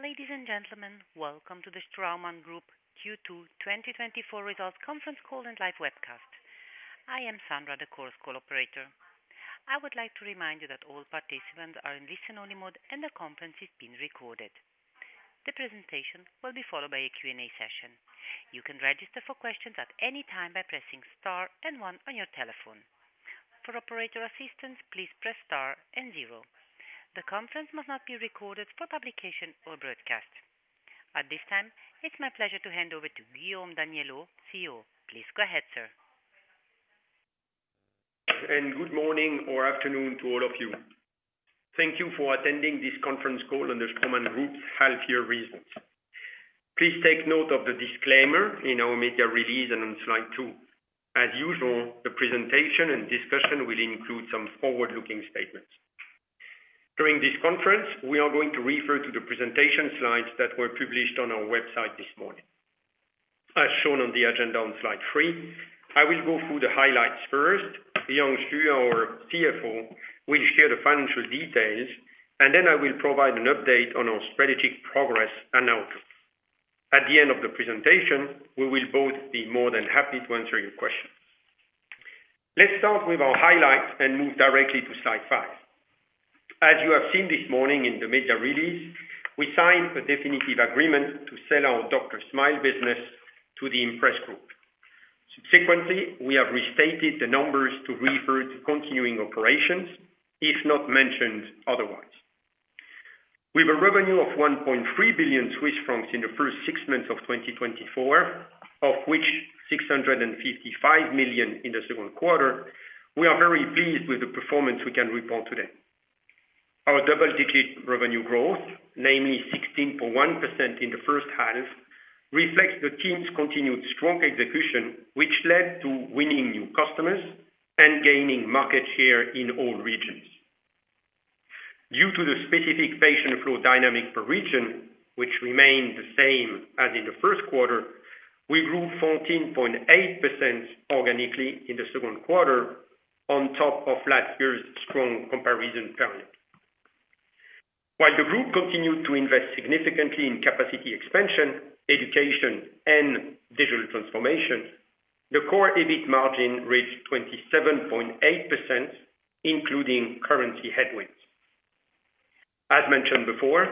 Ladies and gentlemen, welcome to the Straumann Group Q2 2024 Results Conference Call and Live Webcast. I am Sandra, the conference call operator. I would like to remind you that all participants are in listen-only mode, and the conference is being recorded. The presentation will be followed by a Q&A session. You can register for questions at any time by pressing star and one on your telephone. For operator assistance, please press star and zero. The conference must not be recorded for publication or broadcast. At this time, it's my pleasure to hand over to Guillaume Daniellot, CEO. Please go ahead, sir. Good morning or afternoon to all of you. Thank you for attending this conference call on the Straumann Group's Half Year Results. Please take note of the disclaimer in our media release and on slide two. As usual, the presentation and discussion will include some forward-looking statements. During this conference, we are going to refer to the presentation slides that were published on our website this morning. As shown on the agenda on slide three, I will go through the highlights first. Yang Xu, our CFO, will share the financial details, and then I will provide an update on our strategic progress and outlook. At the end of the presentation, we will both be more than happy to answer your questions. Let's start with our highlights and move directly to slide five. As you have seen this morning in the media release, we signed a definitive agreement to sell our DrSmile business to the Impress Group. Subsequently, we have restated the numbers to refer to continuing operations, if not mentioned otherwise. With a revenue of 1.3 billion Swiss francs in the first six months of 2024, of which 655 million in the second quarter, we are very pleased with the performance we can report today. Our double-digit revenue growth, namely 16.1% in the first half, reflects the team's continued strong execution, which led to winning new customers and gaining market share in all regions. Due to the specific patient flow dynamic per region, which remained the same as in the first quarter, we grew 14.8% organically in the second quarter on top of last year's strong comparison period. While the group continued to invest significantly in capacity expansion, education, and digital transformation, the core EBIT margin reached 27.8%, including currency headwinds. As mentioned before,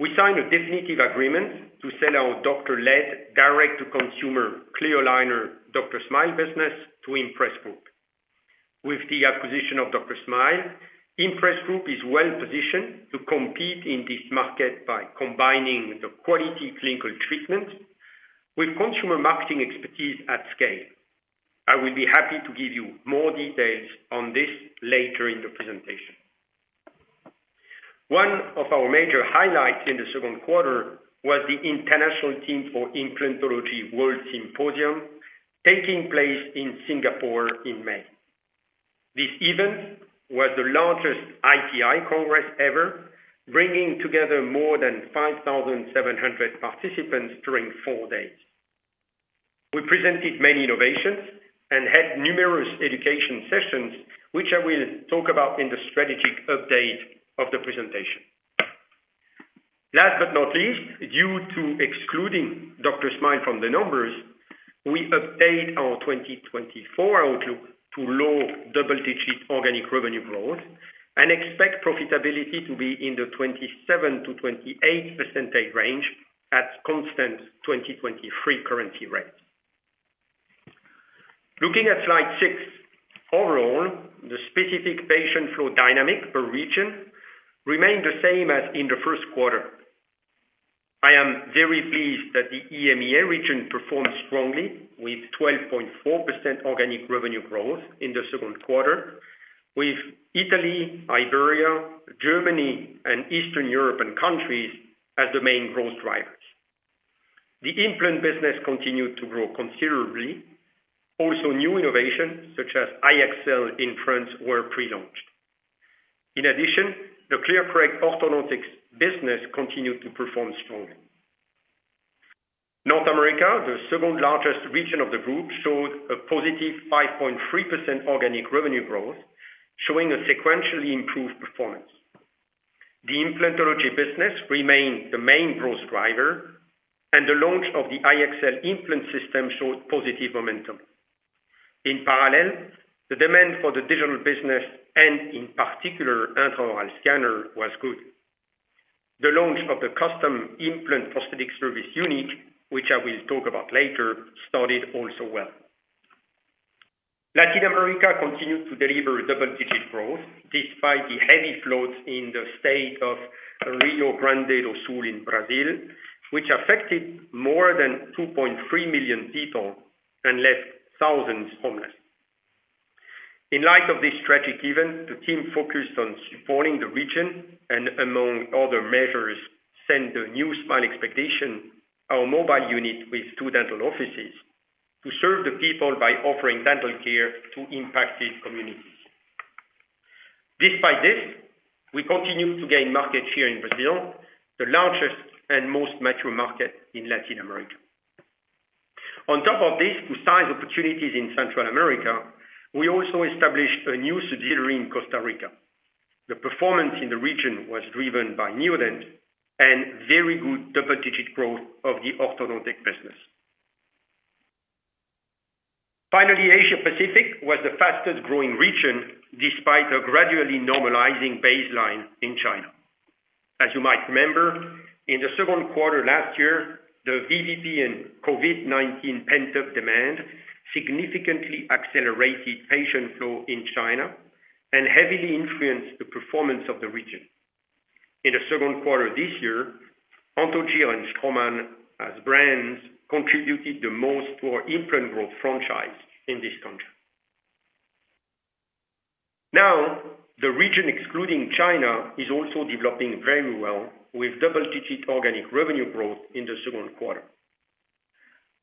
we signed a definitive agreement to sell our doctor-led, direct-to-consumer clear aligner DrSmile business to Impress Group. With the acquisition of DrSmile, Impress Group is well positioned to compete in this market by combining the quality clinical treatment with consumer marketing expertise at scale. I will be happy to give you more details on this later in the presentation. One of our major highlights in the second quarter was the International Team for Implantology World Symposium, taking place in Singapore in May. This event was the largest ITI Congress ever, bringing together more than 5,700 participants during four days. We presented many innovations and had numerous education sessions, which I will talk about in the strategic update of the presentation. Last but not least, due to excluding DrSmile from the numbers, we update our 2024 outlook to low double-digits organic revenue growth and expect profitability to be in the 27%-28% range at constant 2023 currency rates. Looking at slide six, overall, the specific patient flow dynamic per region remained the same as in the first quarter. I am very pleased that the EMEA region performed strongly with 12.4% organic revenue growth in the second quarter, with Italy, Iberia, Germany and Eastern European countries as the main growth drivers. The implant business continued to grow considerably. Also, new innovations such as iEXCEL in France were pre-launched. In addition, the ClearCorrect orthodontics business continued to perform strongly. North America, the second largest region of the group, showed a positive 5.3% organic revenue growth, showing a sequentially improved performance. The implantology business remained the main growth driver, and the launch of the iEXCEL implant system showed positive momentum. In parallel, the demand for the digital business, and in particular, intraoral scanner, was good. The launch of the custom implant prosthetics service unit, which I will talk about later, started also well. Latin America continued to deliver double-digit growth despite the heavy floods in the state of Rio Grande do Sul in Brazil, which affected more than 2.3 million people and left thousands homeless. In light of this tragic event, the team focused on supporting the region and among other measures, sent the new Smile Expedition, our mobile unit with two dental offices, to serve the people by offering dental care to impacted communities. Despite this, we continue to gain market share in Brazil, the largest and most mature market in Latin America. On top of these two size opportunities in Central America, we also established a new subsidiary in Costa Rica. The performance in the region was driven by Neodent and very good double-digit growth of the orthodontic business. Finally, Asia Pacific was the fastest growing region, despite a gradually normalizing baseline in China. As you might remember, in the second quarter last year, the VBP and COVID-19 pent-up demand significantly accelerated patient flow in China and heavily influenced the performance of the region. In the second quarter this year, Anthogyr and Straumann as brands, contributed the most to our implant growth franchise in this country. Now, the region, excluding China, is also developing very well, with double-digit organic revenue growth in the second quarter.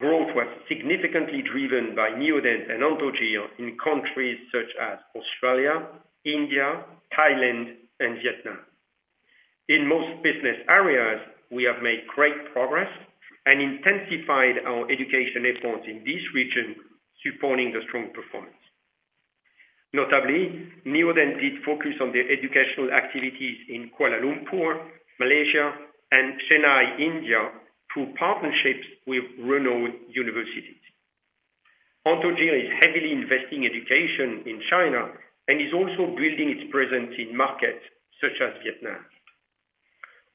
Growth was significantly driven by Neodent and Anthogyr in countries such as Australia, India, Thailand, and Vietnam. In most business areas, we have made great progress and intensified our education efforts in this region, supporting the strong performance. Notably, Neodent did focus on the educational activities in Kuala Lumpur, Malaysia, and Chennai, India, through partnerships with renowned universities. Anthogyr is heavily investing education in China and is also building its presence in markets such as Vietnam.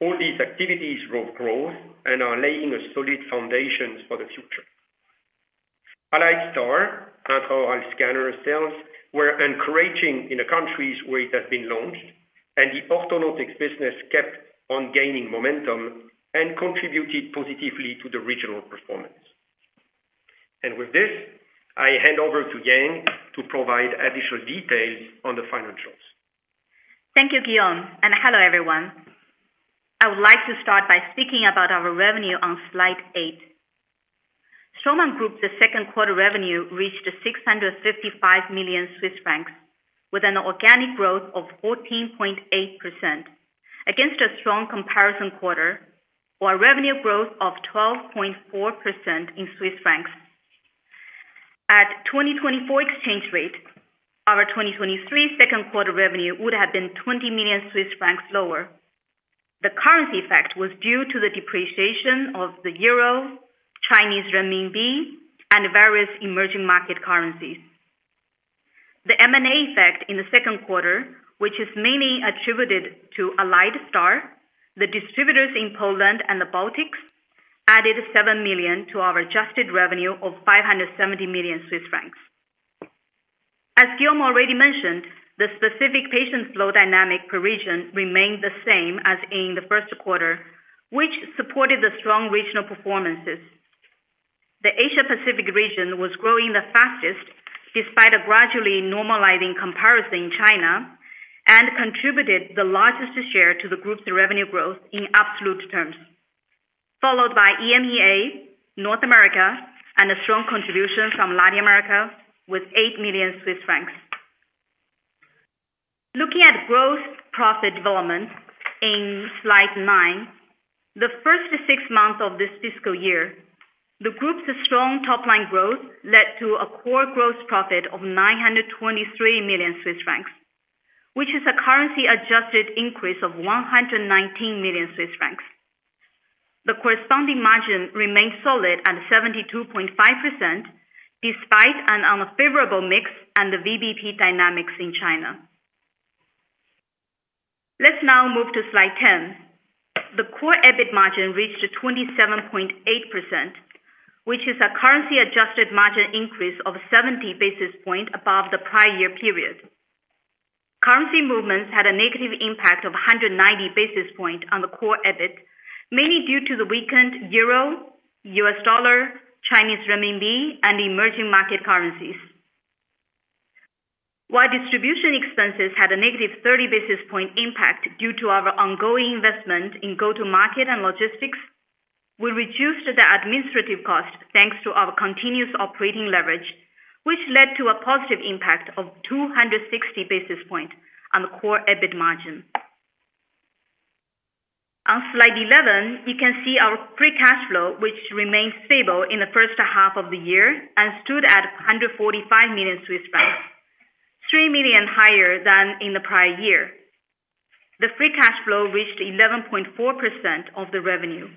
All these activities drove growth and are laying a solid foundation for the future. AlliedStar and intraoral scanner sales were encouraging in the countries where it has been launched, and the orthodontics business kept on gaining momentum and contributed positively to the regional performance. With this, I hand over to Yang to provide additional details on the financials. Thank you, Guillaume, and hello, everyone. I would like to start by speaking about our revenue on slide eight. Straumann Group, the second quarter revenue reached 655 million Swiss francs, with an organic growth of 14.8% against a strong comparison quarter, or a revenue growth of 12.4% in Swiss francs. At 2024 exchange rate, our 2023 second quarter revenue would have been 20 million Swiss francs lower. The currency effect was due to the depreciation of the euro, Chinese renminbi, and various emerging market currencies. The M&A effect in the second quarter, which is mainly attributed to AlliedStar, the distributors in Poland and the Baltics, added 7 million to our adjusted revenue of 570 million Swiss francs. As Guillaume already mentioned, the specific patient flow dynamic per region remained the same as in the first quarter, which supported the strong regional performances. The Asia Pacific region was growing the fastest, despite a gradually normalizing comparison in China, and contributed the largest share to the group's revenue growth in absolute terms, followed by EMEA, North America, and a strong contribution from Latin America with 8 million Swiss francs. Looking at gross profit development in slide nine, the first six months of this fiscal year, the group's strong top-line growth led to a core gross profit of 923 million Swiss francs, which is a currency-adjusted increase of 119 million Swiss francs. The corresponding margin remained solid at 72.5%, despite an unfavorable mix and the VBP dynamics in China. Let's now move to slide ten. The core EBIT margin reached 27.8%, which is a currency-adjusted margin increase of 70 basis points above the prior year period. Currency movements had a negative impact of 190 basis points on the core EBIT, mainly due to the weakened euro, US dollar, Chinese renminbi, and emerging market currencies. While distribution expenses had a -30 basis points impact due to our ongoing investment in go-to-market and logistics, we reduced the administrative cost, thanks to our continuous operating leverage, which led to a positive impact of 260 basis points on the core EBIT margin. On slide 11, you can see our free cash flow, which remained stable in the first half of the year and stood at 145 million Swiss francs, 3 million higher than in the prior year. The free cash flow reached 11.4% of the revenue.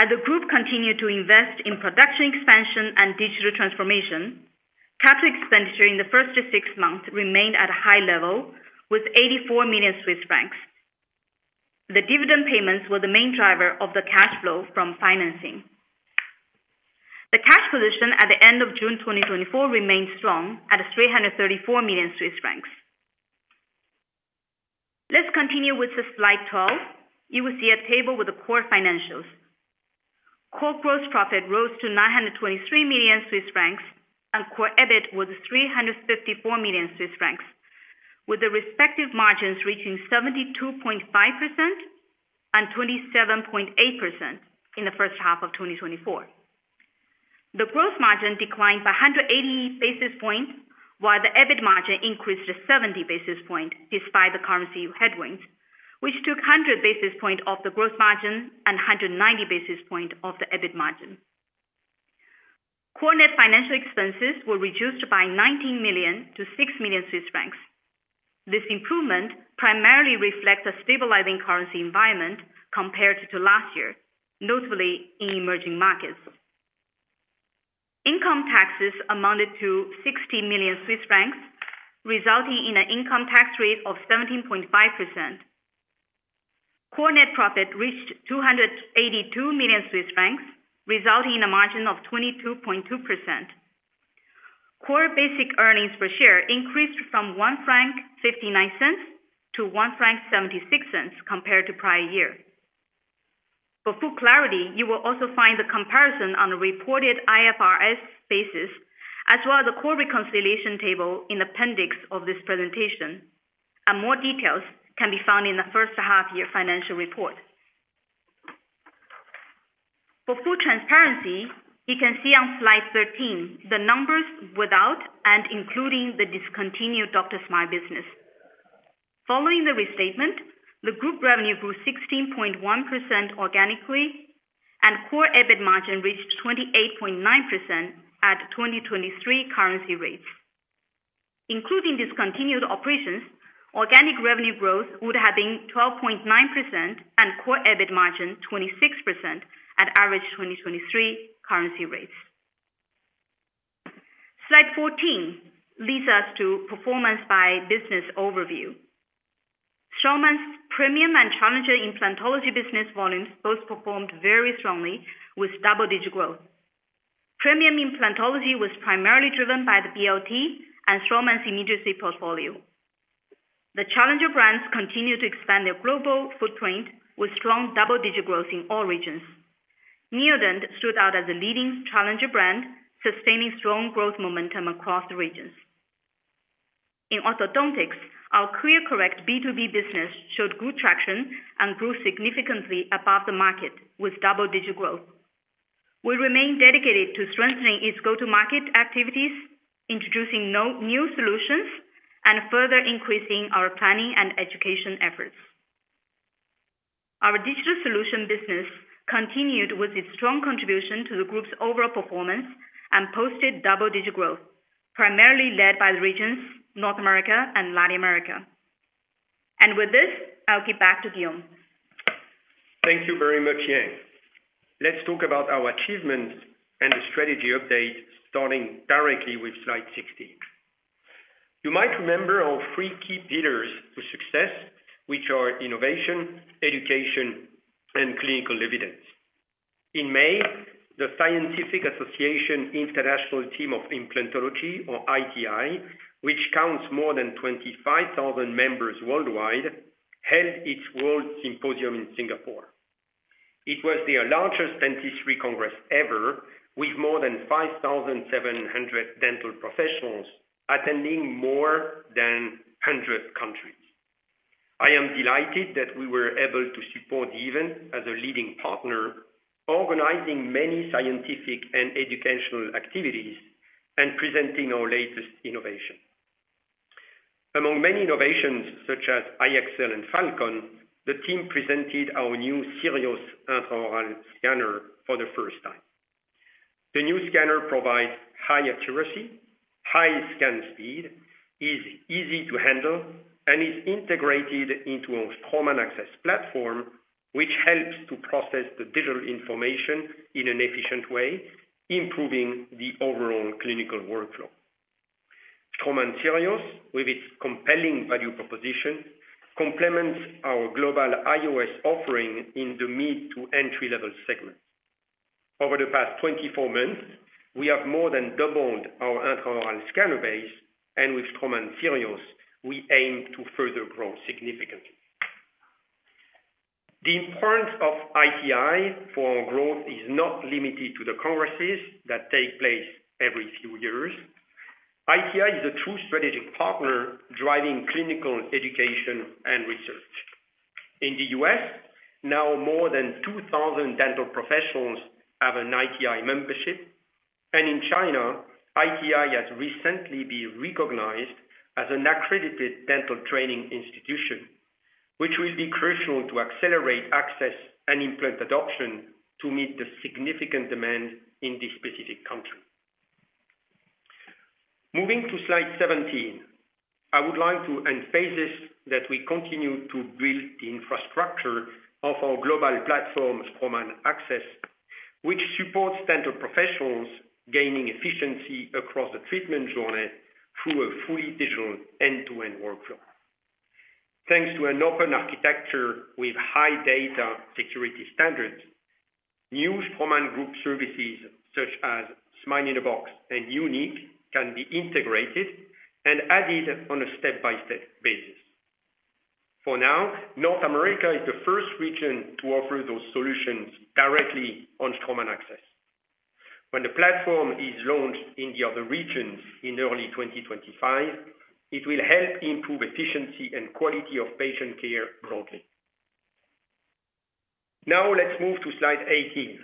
As the group continued to invest in production expansion and digital transformation, capital expenditure in the first 6 months remained at a high level with 84 million Swiss francs. The dividend payments were the main driver of the cash flow from financing. The cash position at the end of June 2024 remained strong, at 334 million Swiss francs. Let's continue with the slide 12. You will see a table with the core financials. Core gross profit rose to 923 million Swiss francs, and core EBIT was 354 million Swiss francs, with the respective margins reaching 72.5% and 27.8% in the first half of 2024. The gross margin declined by 180 basis points, while the EBIT margin increased to 70 basis points, despite the currency headwinds. Which took 100 basis points off the gross margin and 190 basis points off the EBIT margin. Core net financial expenses were reduced by 19 million-6 million Swiss francs. This improvement primarily reflects a stabilizing currency environment compared to last year, notably in emerging markets. Income taxes amounted to 60 million Swiss francs, resulting in an income tax rate of 17.5%. Core net profit reached 282 million Swiss francs, resulting in a margin of 22.2%. Core basic earnings per share increased from 1.59-1.76 franc compared to prior year. For full clarity, you will also find the comparison on the reported IFRS basis, as well as the core reconciliation table in the appendix of this presentation, and more details can be found in the first half-year financial report. For full transparency, you can see on slide 13, the numbers without and including the discontinued DrSmile business. Following the restatement, the group revenue grew 16.1% organically, and core EBIT margin reached 28.9% at 2023 currency rates. Including discontinued operations, organic revenue growth would have been 12.9% and core EBIT margin 26% at average 2023 currency rates. Slide 14 leads us to performance by business overview. Straumann's premium and challenger implantology business volumes both performed very strongly with double-digit growth. Premium implantology was primarily driven by the BLT and Straumann Tissue Level portfolio. The challenger brands continued to expand their global footprint with strong double-digit growth in all regions. Neodent stood out as a leading challenger brand, sustaining strong growth momentum across the regions. In orthodontics, our ClearCorrect B2B business showed good traction and grew significantly above the market with double-digit growth. We remain dedicated to strengthening its go-to-market activities, introducing new solutions, and further increasing our planning and education efforts. Our digital solution business continued with its strong contribution to the group's overall performance and posted double-digit growth, primarily led by the regions North America and Latin America. With this, I'll get back to Guillaume. Thank you very much, Yang. Let's talk about our achievements and the strategy update, starting directly with slide 16. You might remember our three key pillars to success, which are innovation, education, and clinical evidence. In May, the International Team for Implantology, or ITI, which counts more than 25,000 members worldwide, held its world symposium in Singapore. It was the largest dentistry congress ever, with more than 5,700 dental professionals attending from more than 100 countries. I am delighted that we were able to support the event as a leading partner, organizing many scientific and educational activities and presenting our latest innovation. Among many innovations such as iEXCEL and Falcon, the team presented our new Sirios intraoral scanner for the first time. The new scanner provides high accuracy, high scan speed, is easy to handle, and is integrated into a Straumann AXS platform, which helps to process the digital information in an efficient way, improving the overall clinical workflow. Straumann Sirios, with its compelling value proposition, complements our global IOS offering in the mid to entry-level segment. Over the past 24 months, we have more than doubled our intraoral scanner base, and with Straumann Sirios, we aim to further grow significantly. The importance of ITI for our growth is not limited to the congresses that take place every few years. ITI is a true strategic partner, driving clinical education and research. In the U.S., now more than 2,000 dental professionals have an ITI membership, and in China, ITI has recently been recognized as an accredited dental training institution, which will be crucial to accelerate access and implant adoption to meet the significant demand in this specific country. Moving to slide 17, I would like to emphasize that we continue to build the infrastructure of our global platform, Straumann AXS, which supports dental professionals gaining efficiency across the treatment journey through a fully digital end-to-end workflow. Thanks to an open architecture with high data security standards, new Straumann Group services such as Smile in a Box and UN!Q, can be integrated and added on a step-by-step basis. For now, North America is the first region to offer those solutions directly on Straumann AXS. When the platform is launched in the other regions in early 2025, it will help improve efficiency and quality of patient care broadly. Now let's move to slide 18.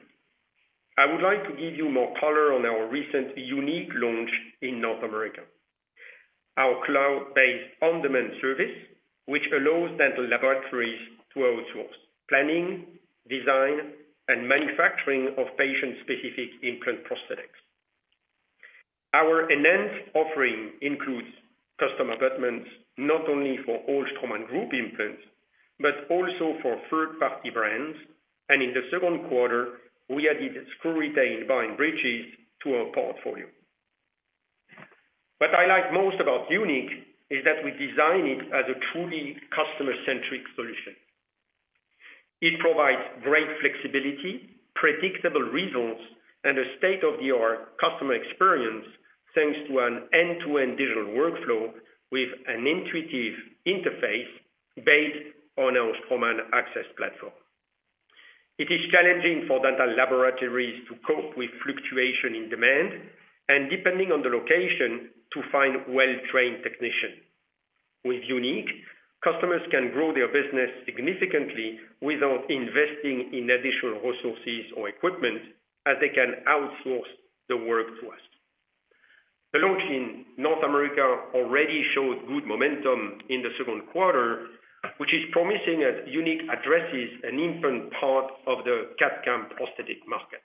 I would like to give you more color on our recent UN!Q launch in North America. Our cloud-based on-demand service, which allows dental laboratories to outsource planning, design, and manufacturing of patient-specific implant prosthetics. Our enhanced offering includes custom abutments, not only for all Straumann Group implants, but also for third-party brands, and in the second quarter, we added screw-retained bars and bridges to our portfolio. What I like most about UN!Q is that we design it as a truly customer-centric solution. It provides great flexibility, predictable results, and a state-of-the-art customer experience, thanks to an end-to-end digital workflow with an intuitive interface based on our Straumann AXS platform. It is challenging for dental laboratories to cope with fluctuation in demand, and depending on the location, to find well-trained technicians. With UN!Q, customers can grow their business significantly without investing in additional resources or equipment, as they can outsource the work to us. The launch in North America already showed good momentum in the second quarter, which is promising as UN!Q addresses an important part of the CAD/CAM prosthetic market.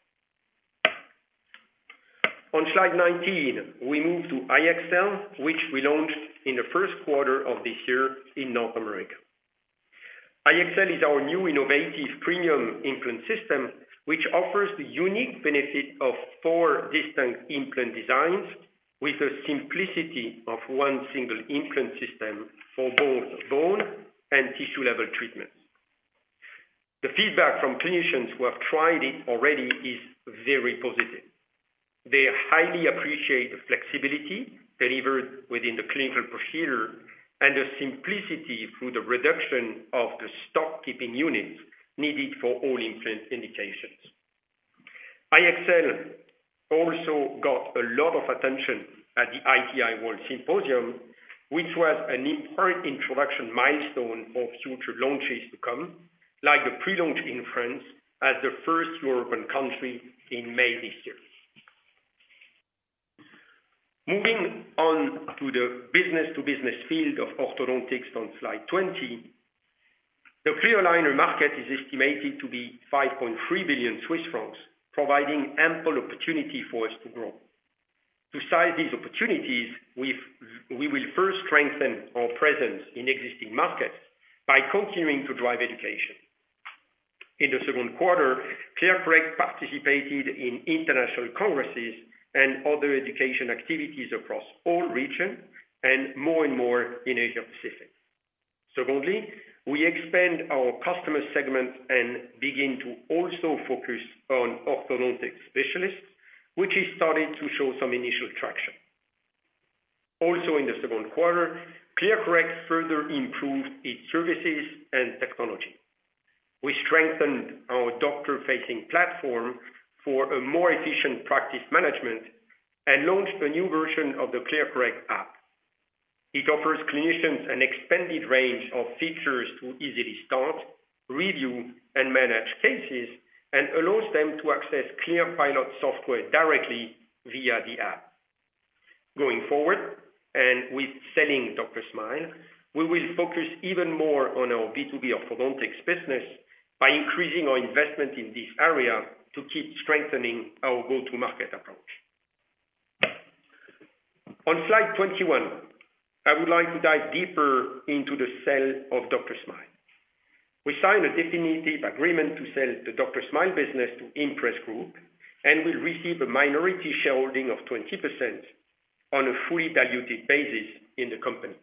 On slide 19, we move toiEXCEL which we launched in the first quarter of this year in North America. iEXCEL is our new innovative premium implant system, which offers the UN!Q benefit of four distinct implant designs with the simplicity of one single implant system for both bone and tissue-level treatments. The feedback from clinicians who have tried it already is very positive. They highly appreciate the flexibility delivered within the clinical procedure and the simplicity through the reduction of the stock keeping units needed for all implant indications. iEXCEL also got a lot of attention at the ITI World Symposium, which was an important introduction milestone for future launches to come, like the pre-launch in France as the first European country in May this year. Moving on to the business-to-business field of orthodontics on slide 20, the clear aligner market is estimated to be 5.3 billion Swiss francs, providing ample opportunity for us to grow. To seize these opportunities, we will first strengthen our presence in existing markets by continuing to drive education. In the second quarter, ClearCorrect participated in international congresses and other education activities across all regions, and more and more in Asia Pacific. Secondly, we expand our customer segment and begin to also focus on orthodontic specialists, which has started to show some initial traction. Also, in the second quarter, ClearCorrect further improved its services and technology. We strengthened our doctor-facing platform for a more efficient practice management and launched a new version of the ClearCorrect app. It offers clinicians an expanded range of features to easily start, review, and manage cases, and allows them to access ClearPilot software directly via the app. Going forward, and with selling DrSmile, we will focus even more on our B2B orthodontics business by increasing our investment in this area to keep strengthening our go-to-market approach. On slide 21, I would like to dive deeper into the sale of DrSmile. We signed a definitive agreement to sell the DrSmile business to Impress Group, and we'll receive a minority shareholding of 20% on a fully diluted basis in the company.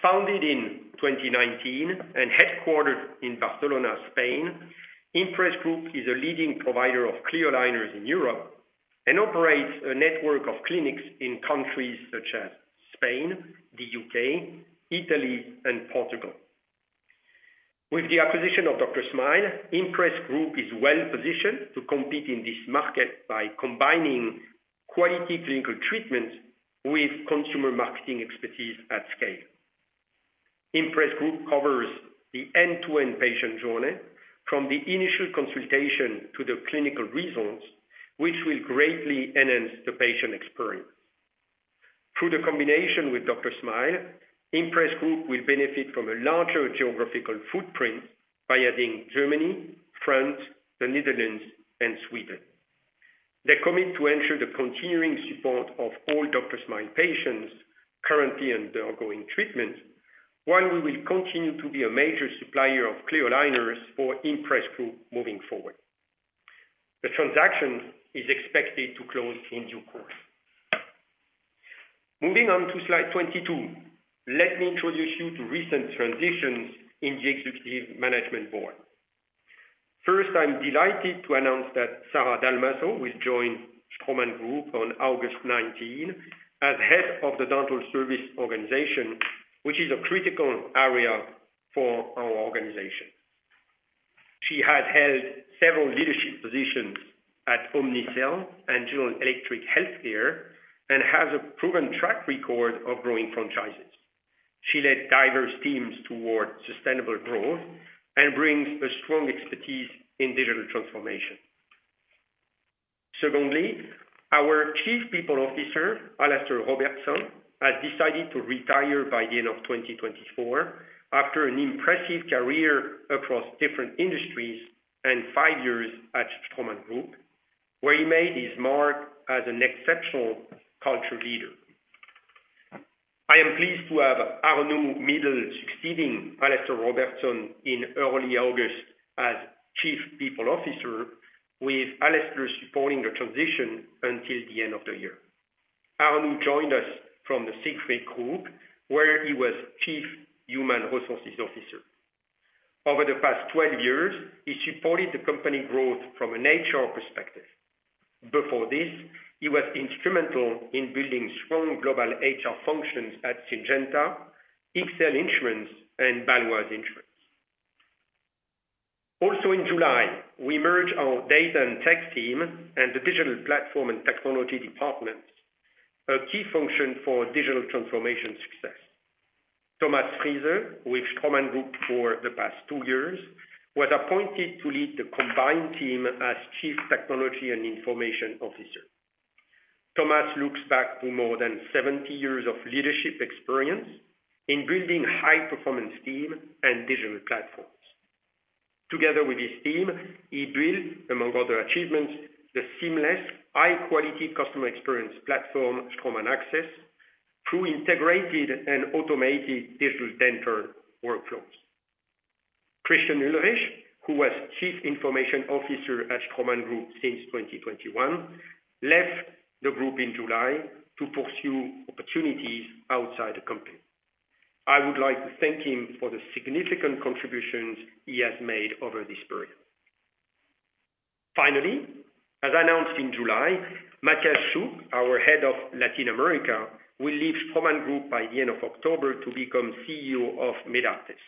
Founded in 2019 and headquartered in Barcelona, Spain, Impress Group is a leading provider of clear aligners in Europe and operates a network of clinics in countries such as Spain, the U.K., Italy, and Portugal. With the acquisition of DrSmile, Impress Group is well-positioned to compete in this market by combining quality clinical treatment with consumer marketing expertise at scale. Impress Group covers the end-to-end patient journey, from the initial consultation to the clinical results, which will greatly enhance the patient experience. Through the combination with DrSmile, Impress Group will benefit from a larger geographical footprint by adding Germany, France, the Netherlands, and Sweden. They commit to ensure the continuing support of all DrSmile patients currently under ongoing treatment, while we will continue to be a major supplier of clear aligners for Impress Group moving forward. The transaction is expected to close in due course. Moving on to slide 22, let me introduce you to recent transitions in the executive management board. First, I'm delighted to announce that Sara Dalmasso will join Straumann Group on August 19 as head of the dental service organization, which is a critical area for our organization. She has held several leadership positions at Omnicell and GE HealthCare, and has a proven track record of growing franchises. She led diverse teams toward sustainable growth and brings a strong expertise in digital transformation. Secondly, our Chief People Officer, Alastair Robertson, has decided to retire by the end of 2024 after an impressive career across different industries and 5 years at Straumann Group, where he made his mark as an exceptional culture leader. I am pleased to have Arnaud Middel succeeding Alastair Robertson in early August as Chief People Officer, with Alastair supporting the transition until the end of the year. Arnaud joined us from the Siegfried Group, where he was Chief Human Resources Officer. Over the past 12 years, he supported the company growth from an HR perspective. Before this, he was instrumental in building strong global HR functions at Syngenta, XL Insurance, and Baloise Insurance. Also in July, we merged our data and tech team and the digital platform and technology departments, a key function for digital transformation success. Thomas Friese, with Straumann Group for the past two years, was appointed to lead the combined team as Chief Technology and Information Officer. Thomas looks back to more than 70 years of leadership experience in building high performance team and digital platforms. Together with his team, he built, among other achievements, the seamless, high quality customer experience platform, Straumann AXS, through integrated and automated digital dental workflows. Christian Ulrich, who was Chief Information Officer at Straumann Group since 2021, left the group in July to pursue opportunities outside the company. I would like to thank him for the significant contributions he has made over this period. Finally, as announced in July, Matthias Schupp, our head of Latin America, will leave Straumann Group by the end of October to become CEO of MedArtis.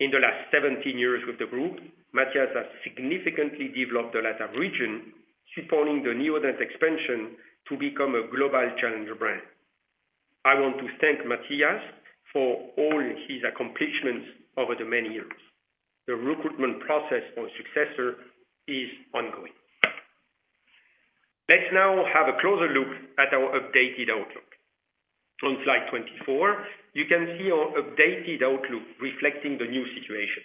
In the last 17 years with the group, Matthias has significantly developed the Latin region, supporting the Neodent expansion to become a global challenger brand. I want to thank Matthias for all his accomplishments over the many years. The recruitment process for successor is ongoing. Let's now have a closer look at our updated outlook. On slide 24, you can see our updated outlook reflecting the new situation.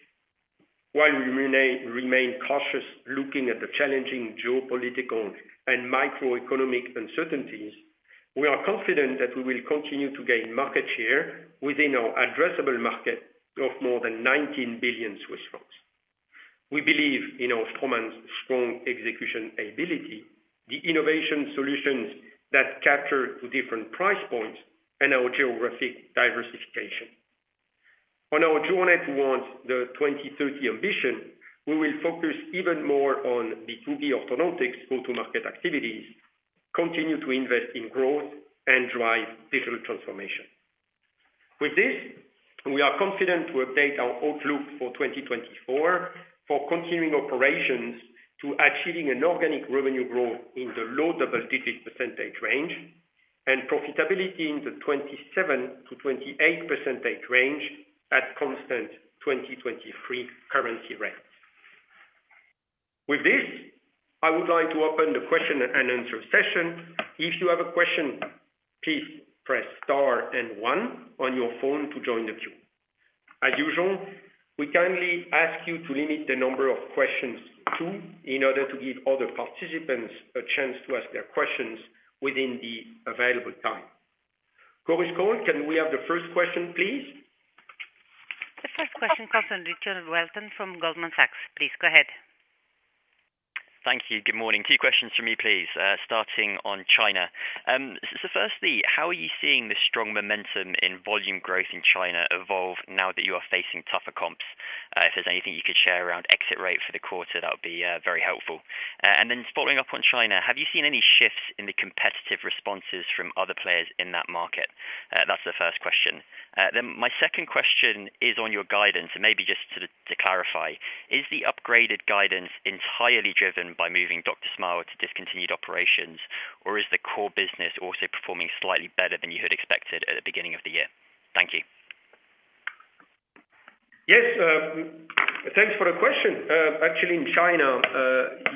While we remain cautious looking at the challenging geopolitical and microeconomic uncertainties, we are confident that we will continue to gain market share within our addressable market of more than 19 billion Swiss francs. We believe in our Straumann's strong execution ability, the innovation solutions that capture to different price points, and our geographic diversification. On our journey towards the 2030 ambition, we will focus even more on the B2B Orthodontics Go-To-Market activities, continue to invest in growth and drive digital transformation. With this, we are confident to update our outlook for 2024 for continuing operations to achieving an organic revenue growth in the low double-digit percentage range and profitability in the 27%-28% range at constant 2023 currency rates. With this, I would like to open the question-and- answer session. If you have a question, please press star and one on your phone to join the queue. As usual, we kindly ask you to limit the number of questions to two, in order to give other participants a chance to ask their questions within the available time. Chorus Call, can we have the first question, please? The first question comes from Richard Felton from Goldman Sachs. Please, go ahead. Thank you. Good morning. Two questions from me, please, starting on China. So firstly, how are you seeing the strong momentum in volume growth in China evolve now that you are facing tougher comps? If there's anything you could share around exit rate for the quarter, that would be very helpful. And then following up on China, have you seen any shifts in the competitive responses from other players in that market? That's the first question. Then my second question is on your guidance, and maybe just to, to clarify, is the upgraded guidance entirely driven by moving DrSmile to discontinued operations, or is the core business also performing slightly better than you had expected at the beginning of the year? Thank you. Yes, thanks for the question. Actually, in China,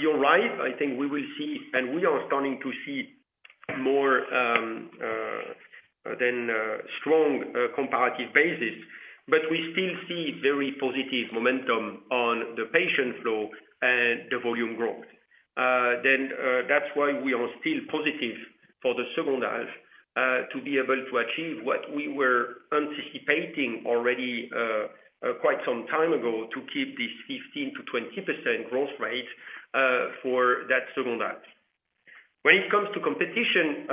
you're right. I think we will see, and we are starting to see more than strong comparative basis, but we still see very positive momentum on the patient flow and the volume growth. Then, that's why we are still positive for the second half, to be able to achieve what we were anticipating already, quite some time ago, to keep this 15%-20% growth rate, for that second half. When it comes to competition,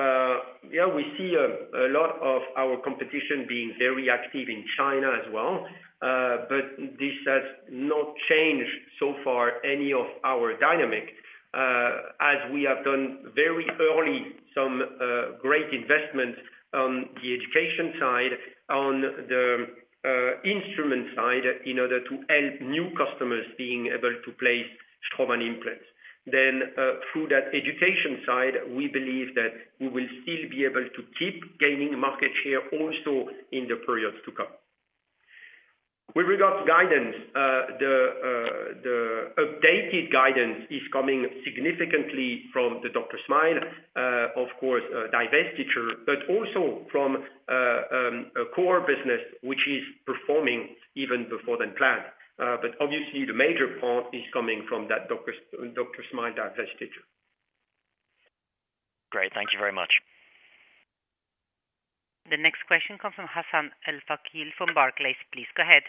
yeah, we see a lot of our competition being very active in China as well. But this has not changed so far any of our dynamic, as we have done very early some great investments on the education side, on the instrument side, in order to help new customers being able to place Straumann implants. Then through that education side, we believe that we will still be able to keep gaining market share also in the periods to come. With regards to guidance, the updated guidance is coming significantly from the DrSmile, of course, divestiture, but also from a core business, which is performing even before than planned. But obviously, the major part is coming from that DrSmile divestiture. Great, thank you very much. The next question comes from Hassan Al-Wakeel from Barclays. Please go ahead.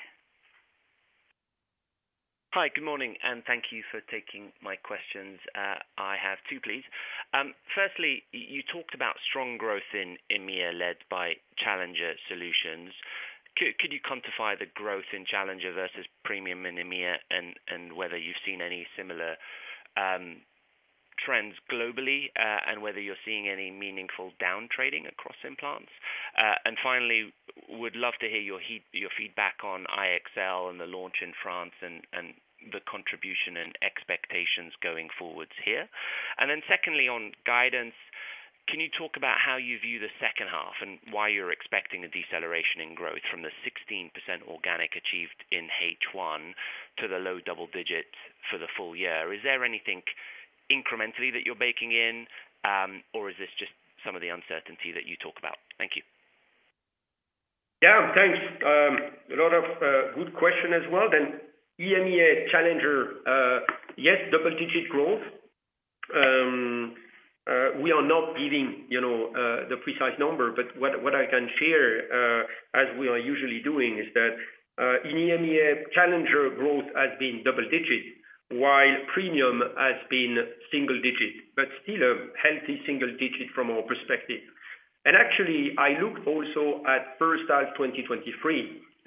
Hi, good morning, and thank you for taking my questions. I have two, please. Firstly, you talked about strong growth in EMEA, led by Challenger Solutions. Could you quantify the growth in Challenger versus premium in EMEA, and whether you've seen any similar trends globally, and whether you're seeing any meaningful down trading across implants? And finally, would love to hear your feedback on iEXCEL and the launch in France, and the contribution and expectations going forwards here. And then secondly, on guidance, can you talk about how you view the second half, and why you're expecting a deceleration in growth from the 16% organic achieved in H1 to the low double digits for the full year? Is there anything incrementally that you're baking in, or is this just some of the uncertainty that you talk about? Thank you. Yeah, thanks. A lot of good question as well. Then EMEA Challenger, yes, double-digit growth. We are not giving, you know, the precise number, but what I can share, as we are usually doing, is that, in EMEA, Challenger growth has been double digits, while premium has been single digit, but still a healthy single digit from our perspective. And actually, I looked also at first half 2023,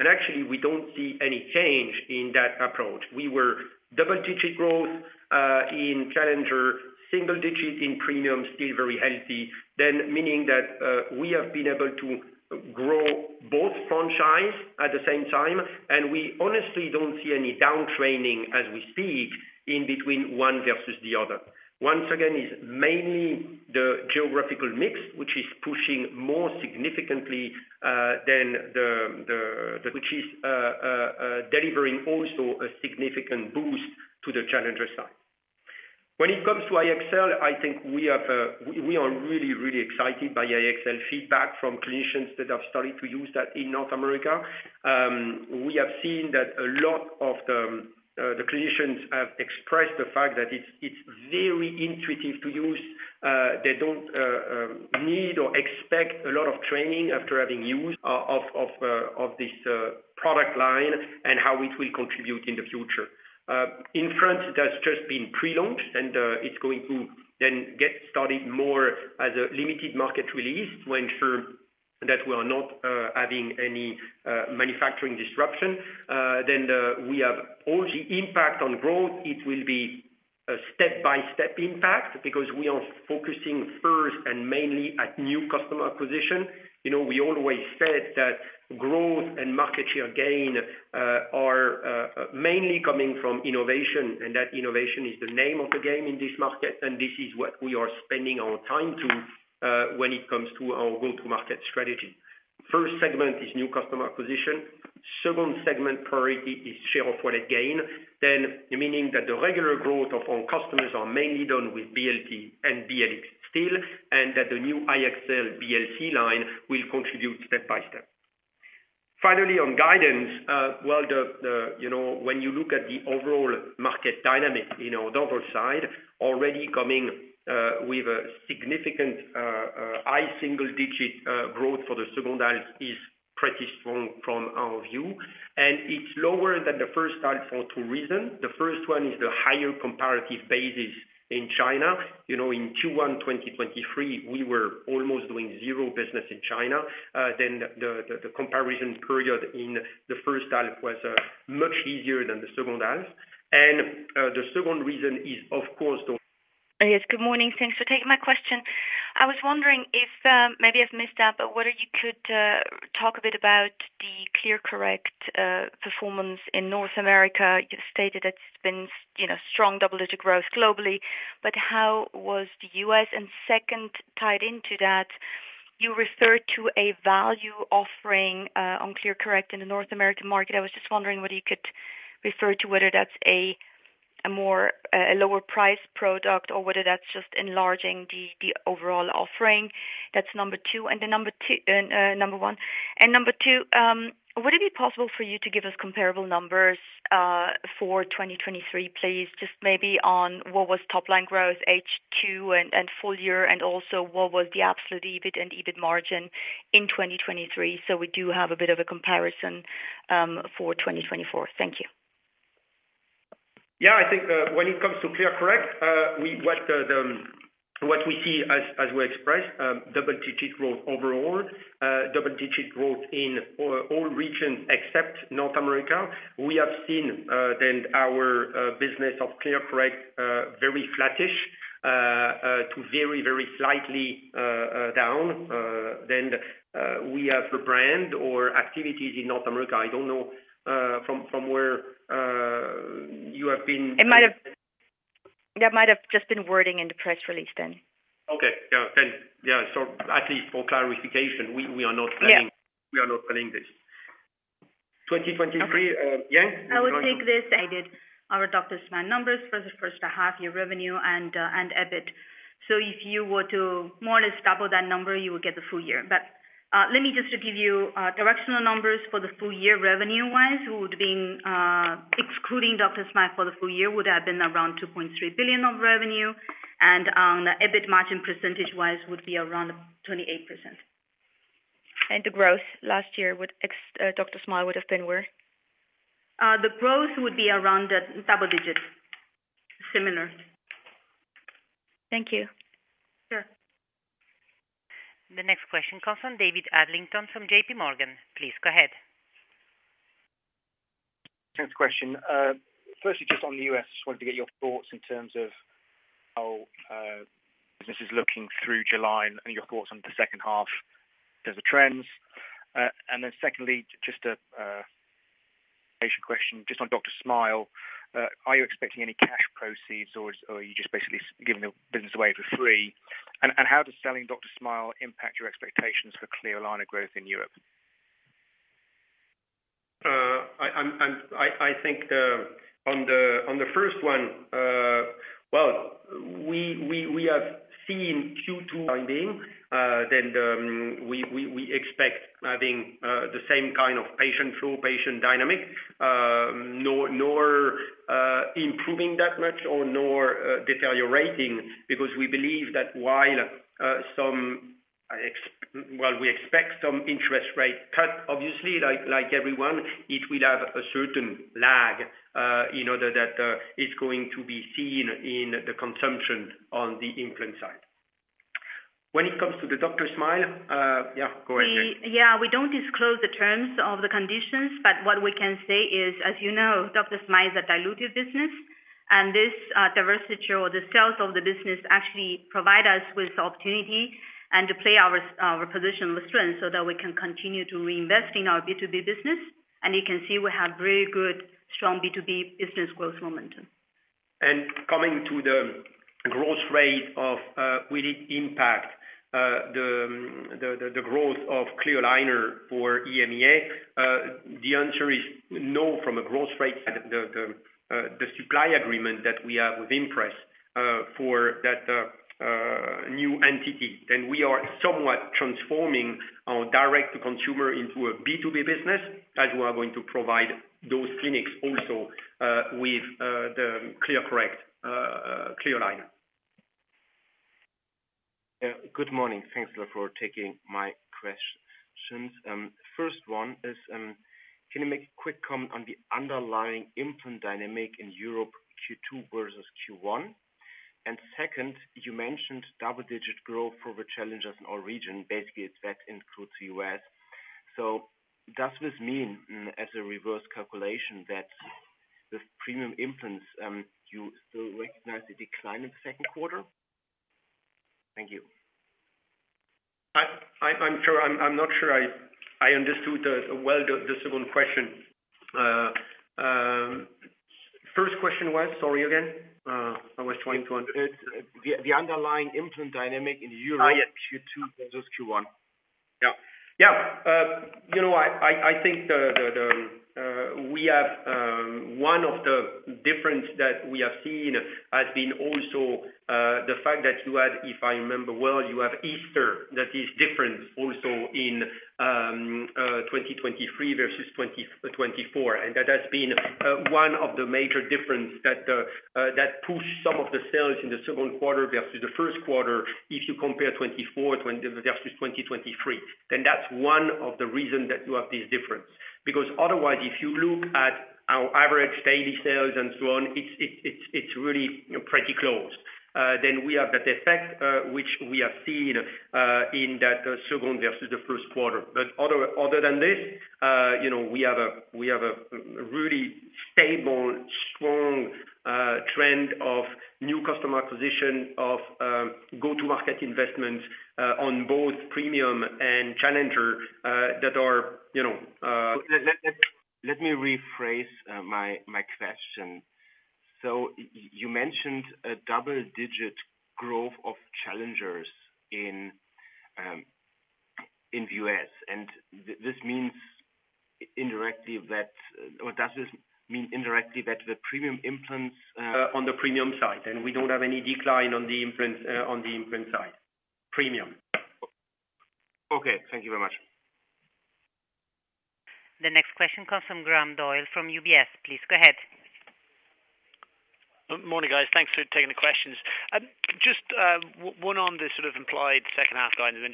and actually, we don't see any change in that approach. We were double-digit growth in Challenger, single digits in premium, still very healthy. Then meaning that, we have been able to grow both franchise at the same time, and we honestly don't see any downtraining as we speak in between one versus the other. Once again, it's mainly the geographical mix, which is pushing more significantly than which is delivering also a significant boost to the Challenger side. When it comes to iEXCEL, I think we are really, really excited by iEXCEL feedback from clinicians that have started to use that in North America. We have seen that a lot of the clinicians have expressed the fact that it's very intuitive to use. They don't need or expect a lot of training after having used this product line and how it will contribute in the future. In France, it has just been pre-launched, and it's going to then get started more as a limited market release to ensure that we are not adding any manufacturing disruption. Then, we have all the impact on growth, it will be a step-by-step impact because we are focusing first and mainly at new customer acquisition. You know, we always said that growth and market share gain are mainly coming from innovation, and that innovation is the name of the game in this market, and this is what we are spending our time to when it comes to our go-to-market strategy. First segment is new customer acquisition. Second segment priority is share of wallet gain. Then meaning that the regular growth of our customers are mainly done with BLT and BLX still, and that the new iEXCEL BLC line will contrib ute step by step. Finally, on guidance, you know, when you look at the overall market dynamic, you know, the other side already coming with a significant high single digit growth for the second half is pretty strong from our view, and it's lower than the first half for two reasons. The first one is the higher comparative basis in China. You know, in Q1, 2023, we were almost doing zero business in China. Then the comparison period in the first half was much easier than the second half. The second reason is, of course, the-- Yes, good morning. Thanks for taking my question. I was wondering if maybe I've missed out, but whether you could talk a bit about the ClearCorrect performance in North America. You've stated it's been, you know, strong double-digit growth globally, but how was the US? And second, tied into that, you referred to a value offering on ClearCorrect in the North American market. I was just wondering whether you could refer to whether that's a more a lower price product or whether that's just enlarging the overall offering. That's number two, and the number two, number one. And number two, would it be possible for you to give us comparable numbers for 2023, please? Just maybe on what was top line growth, H2 and full year, and also what was the absolute EBIT and EBIT margin in 2023, so we do have a bit of a comparison for 2024. Thank you. Yeah, I think, when it comes to ClearCorrect, we see, as we express, double-digit growth overall, double-digit growth in all regions except North America. We have seen then our business of ClearCorrect very flattish to very slightly down. Then we have a brand or activities in North America. I don't know from where you have been- It might have .That might have just been wording in the press release then. Okay. Yeah, then, yeah, so at least for clarification, we are not planning this. 2023, yeah. I would take this. I did our DrSmile numbers for the first half year revenue and, and EBIT. So if you were to more or less double that number, you would get the full year. But, let me just give you, directional numbers for the full year revenue wise, would have been, excluding DrSmile for the full year, would have been around 2.3 billion of revenue, and, the EBIT margin percentage wise, would be around 28%. The growth last year excluding DrSmile would have been where? The growth would be around double-digit. Similar. Thank you. Sure. The next question comes from David Adlington from J.P. Morgan. Please go ahead. Thanks, question. Firstly, just on the U.S., just wanted to get your thoughts in terms of how business is looking through July and your thoughts on the second half, in terms of trends. And then secondly, just a patient question, just on DrSmile. Are you expecting any cash proceeds, or are you just basically giving the business away for free? And how does selling DrSmile impact your expectations for clear aligner growth in Europe? I think on the first one, well, we have seen Q2 finding, then we expect having the same kind of patient flow, patient dynamic, nor improving that much or nor deteriorating, because we believe that while some ex-- well, we expect some interest rate cut, obviously, like everyone, it will have a certain lag in order that is going to be seen in the consumption on the implant side. When it comes to the DrSmile, yeah, go ahead. We, yeah, we don't disclose the terms of the conditions, but what we can say is, as you know, DrSmile is a dilutive business, and this, divestiture or the sales of the business actually provide us with the opportunity and to play our, position with strength so that we can continue to reinvest in our B2B business. And you can see we have very good, strong B2B business growth momentum. And coming to the growth rate: will it impact the growth of clear aligner for EMEA? The answer is no, from a growth rate, the supply agreement that we have with Impress for that new entity. And we are somewhat transforming our direct-to-consumer into a B2B business, as we are going to provide those clinics also with the ClearCorrect clear aligner. Good morning. Thanks a lot for taking my questions. First one is, can you make a quick comment on the underlying implant dynamic in Europe, Q2 versus Q1? And second, you mentioned double-digit growth for the challengers in all regions, basically, that includes the US. So does this mean, as a reverse calculation, that the premium implants, you still recognize the decline in the second quarter? Thank you. I'm not sure I understood, well, the second question. First question was, sorry, again, I was trying to understand. The underlying implant dynamic in Europe Q2 versus Q1. Yeah, you know, I think the we have one of the difference that we have seen has been also the fact that you had, if I remember well, you have Easter, that is different also in 2023 versus 2024. And that has been one of the major difference that that pushed some of the sales in the second quarter versus the first quarter, if you compare 2024 versus 2023. Then that's one of the reason that you have this difference. Because otherwise, if you look at our average daily sales and so on, it's really pretty close. Then we have that effect, which we have seen, in that second versus the first quarter. But other than this, you know, we have a really stable, strong trend of new customer acquisition of go-to-market investments on both premium and challenger that are, you know- Let me rephrase my question. So you mentioned a double-digit growth of challengers in the US, and this means indirectly that, or does this mean indirectly, that the premium implants— On the premium side, we don't have any decline on the implant, on the implant side. Premium. Okay, thank you very much. The next question comes from Graham Doyle, from UBS. Please go ahead. Morning, guys. Thanks for taking the questions. Just one on the sort of implied second half guidance,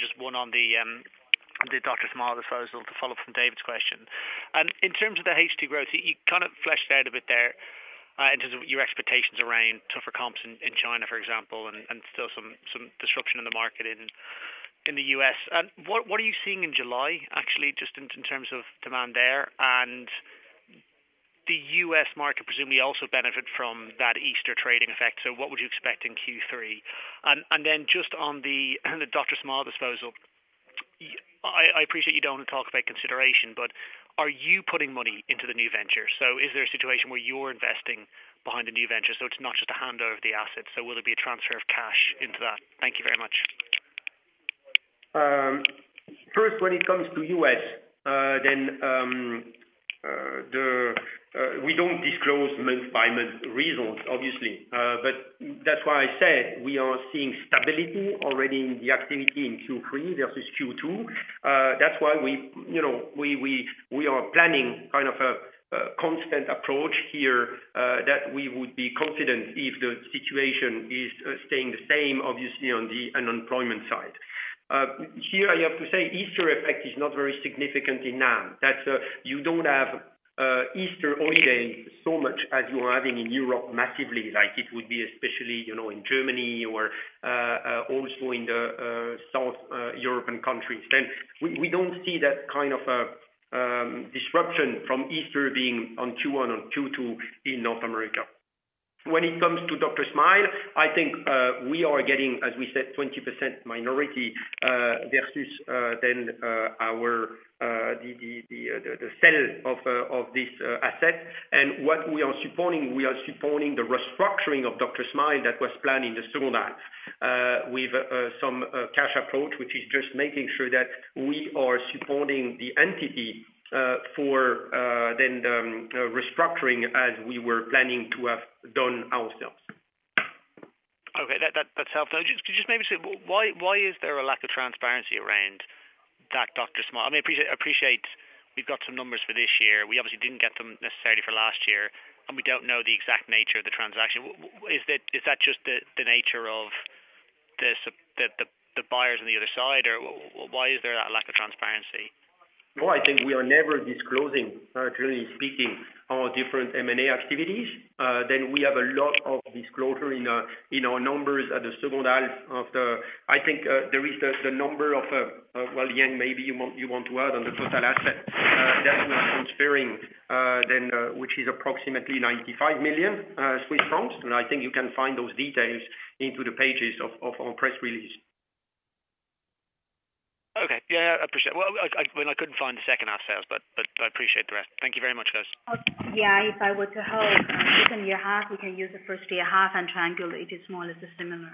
and just one on the DrSmile disposal to follow up from David's question. And in terms of the H2 growth, you kind of fleshed out a bit there, in terms of your expectations around tougher comps in China, for example, and still some disruption in the market in the U.S. And what are you seeing in July, actually, just in terms of demand there? And the U.S. market presumably also benefit from that Easter trading effect, so what would you expect in Q3? And then just on the DrSmile disposal. I appreciate you don't want to talk about consideration, but are you putting money into the new venture? So, is there a situation where you're investing behind the new venture, so it's not just a handover of the assets, so will it be a transfer of cash into that? Thank you very much. First, when it comes to U.S., we don't disclose month by month reasons, obviously. But that's why I said, we are seeing stability already in the activity in Q3 versus Q2. That's why we, you know, we are planning kind of a constant approach here, that we would be confident if the situation is staying the same, obviously, on the unemployment side. Here, I have to say, Easter effect is not very significant in NAM, that you don't have Easter holiday so much as you are having in Europe, massively, like it would be especially, you know, in Germany or also in the South European countries. We don't see that kind of disruption from Easter being on Q1 or Q2 in North America. When it comes to DrSmile, I think, we are getting, as we said, 20% minority versus the sale of this asset. And what we are supporting, we are supporting the restructuring of DrSmile that was planned in the second half with some cash approach, which is just making sure that we are supporting the entity for the restructuring as we were planning to have done ourselves. Okay, that's helpful. Could you just maybe say why is there a lack of transparency around that DrSmile? I mean, I appreciate we've got some numbers for this year. We obviously didn't get them necessarily for last year, and we don't know the exact nature of the transaction. Is that just the nature of the buyers on the other side, or why is there that lack of transparency? Well, I think we are never disclosing, generally speaking, our different M&A activities. Then we have a lot of disclosure in our numbers at the second half of the--I think there is the number of, well, Yang, maybe you want to add on the total asset, that's non-current, then, which is approximately 95 million Swiss francs, and I think you can find those details in the pages of our press release. Okay. Yeah, I appreciate it. Well, I couldn't find the second half sales, but I appreciate the rest. Thank you very much, guys. Yeah, if I were to hold second half year, we can use the first half year and triangulate, it is more or less similar.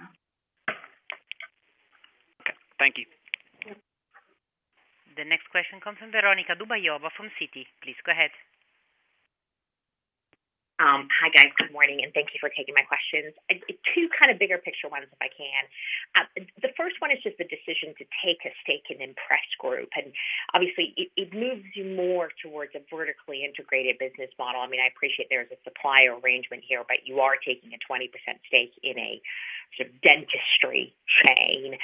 Okay, thank you. The next question comes from Veronika Dubajova from Citi. Please go ahead. Hi, guys. Good morning, and thank you for taking my questions. Two kind of bigger picture ones, if I can. The first one is just the decision to take a stake in Impress Group, and obviously, it moves you more towards a vertically integrated business model. I mean, I appreciate there's a supplier arrangement here, but you are taking a 20% stake in a sort of dentistry chain.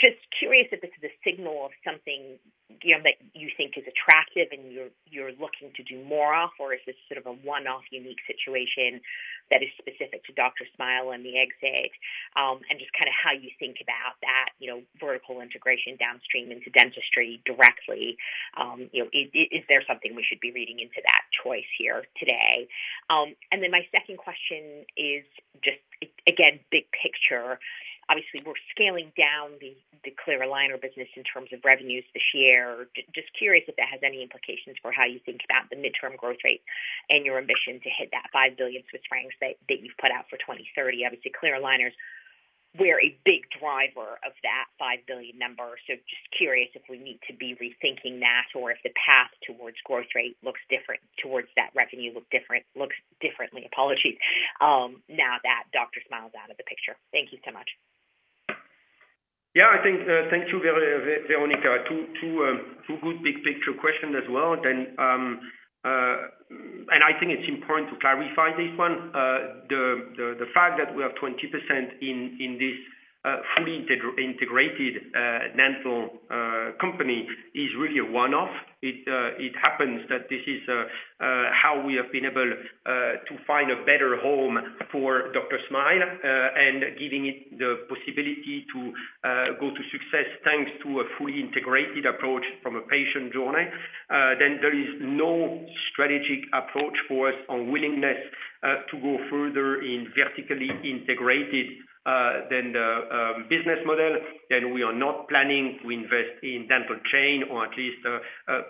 Just curious if this is a signal of something, you know, that you think is attractive and you're looking to do more of, or is this sort of a one-off UN!Q situation that is specific to DrSmile and the exit? And just kind of how you think about that, you know, vertical integration downstream into dentistry directly. You know, is there something we should be reading into that choice here today? And then my second question is just, again, big picture. Obviously, we're scaling down the Clear Aligner business in terms of revenues this year. Just curious if that has any implications for how you think about the mid-term growth rate and your ambition to hit that 5 billion Swiss francs that you've put out for 2030. Obviously, Clear Aligners were a big driver of that 5 billion number. So just curious if we need to be rethinking that, or if the path towards growth rate looks different towards that revenue, look different - looks differently, apologies, now that DrSmile's out of the picture. Thank you so much. Yeah, I think, thank you, Veronika. Two good big picture questions as well, then, and I think it's important to clarify this one. The fact that we have 20% in this fully integrated dental company is really a one-off. It happens that this is how we have been able to find a better home for DrSmile, and giving it the possibility to go-to success, thanks to a fully integrated approach from a patient journey. Then there is no strategic approach for us on willingness to go further in vertically integrated than the business model. Then we are not planning to invest in dental chain or at least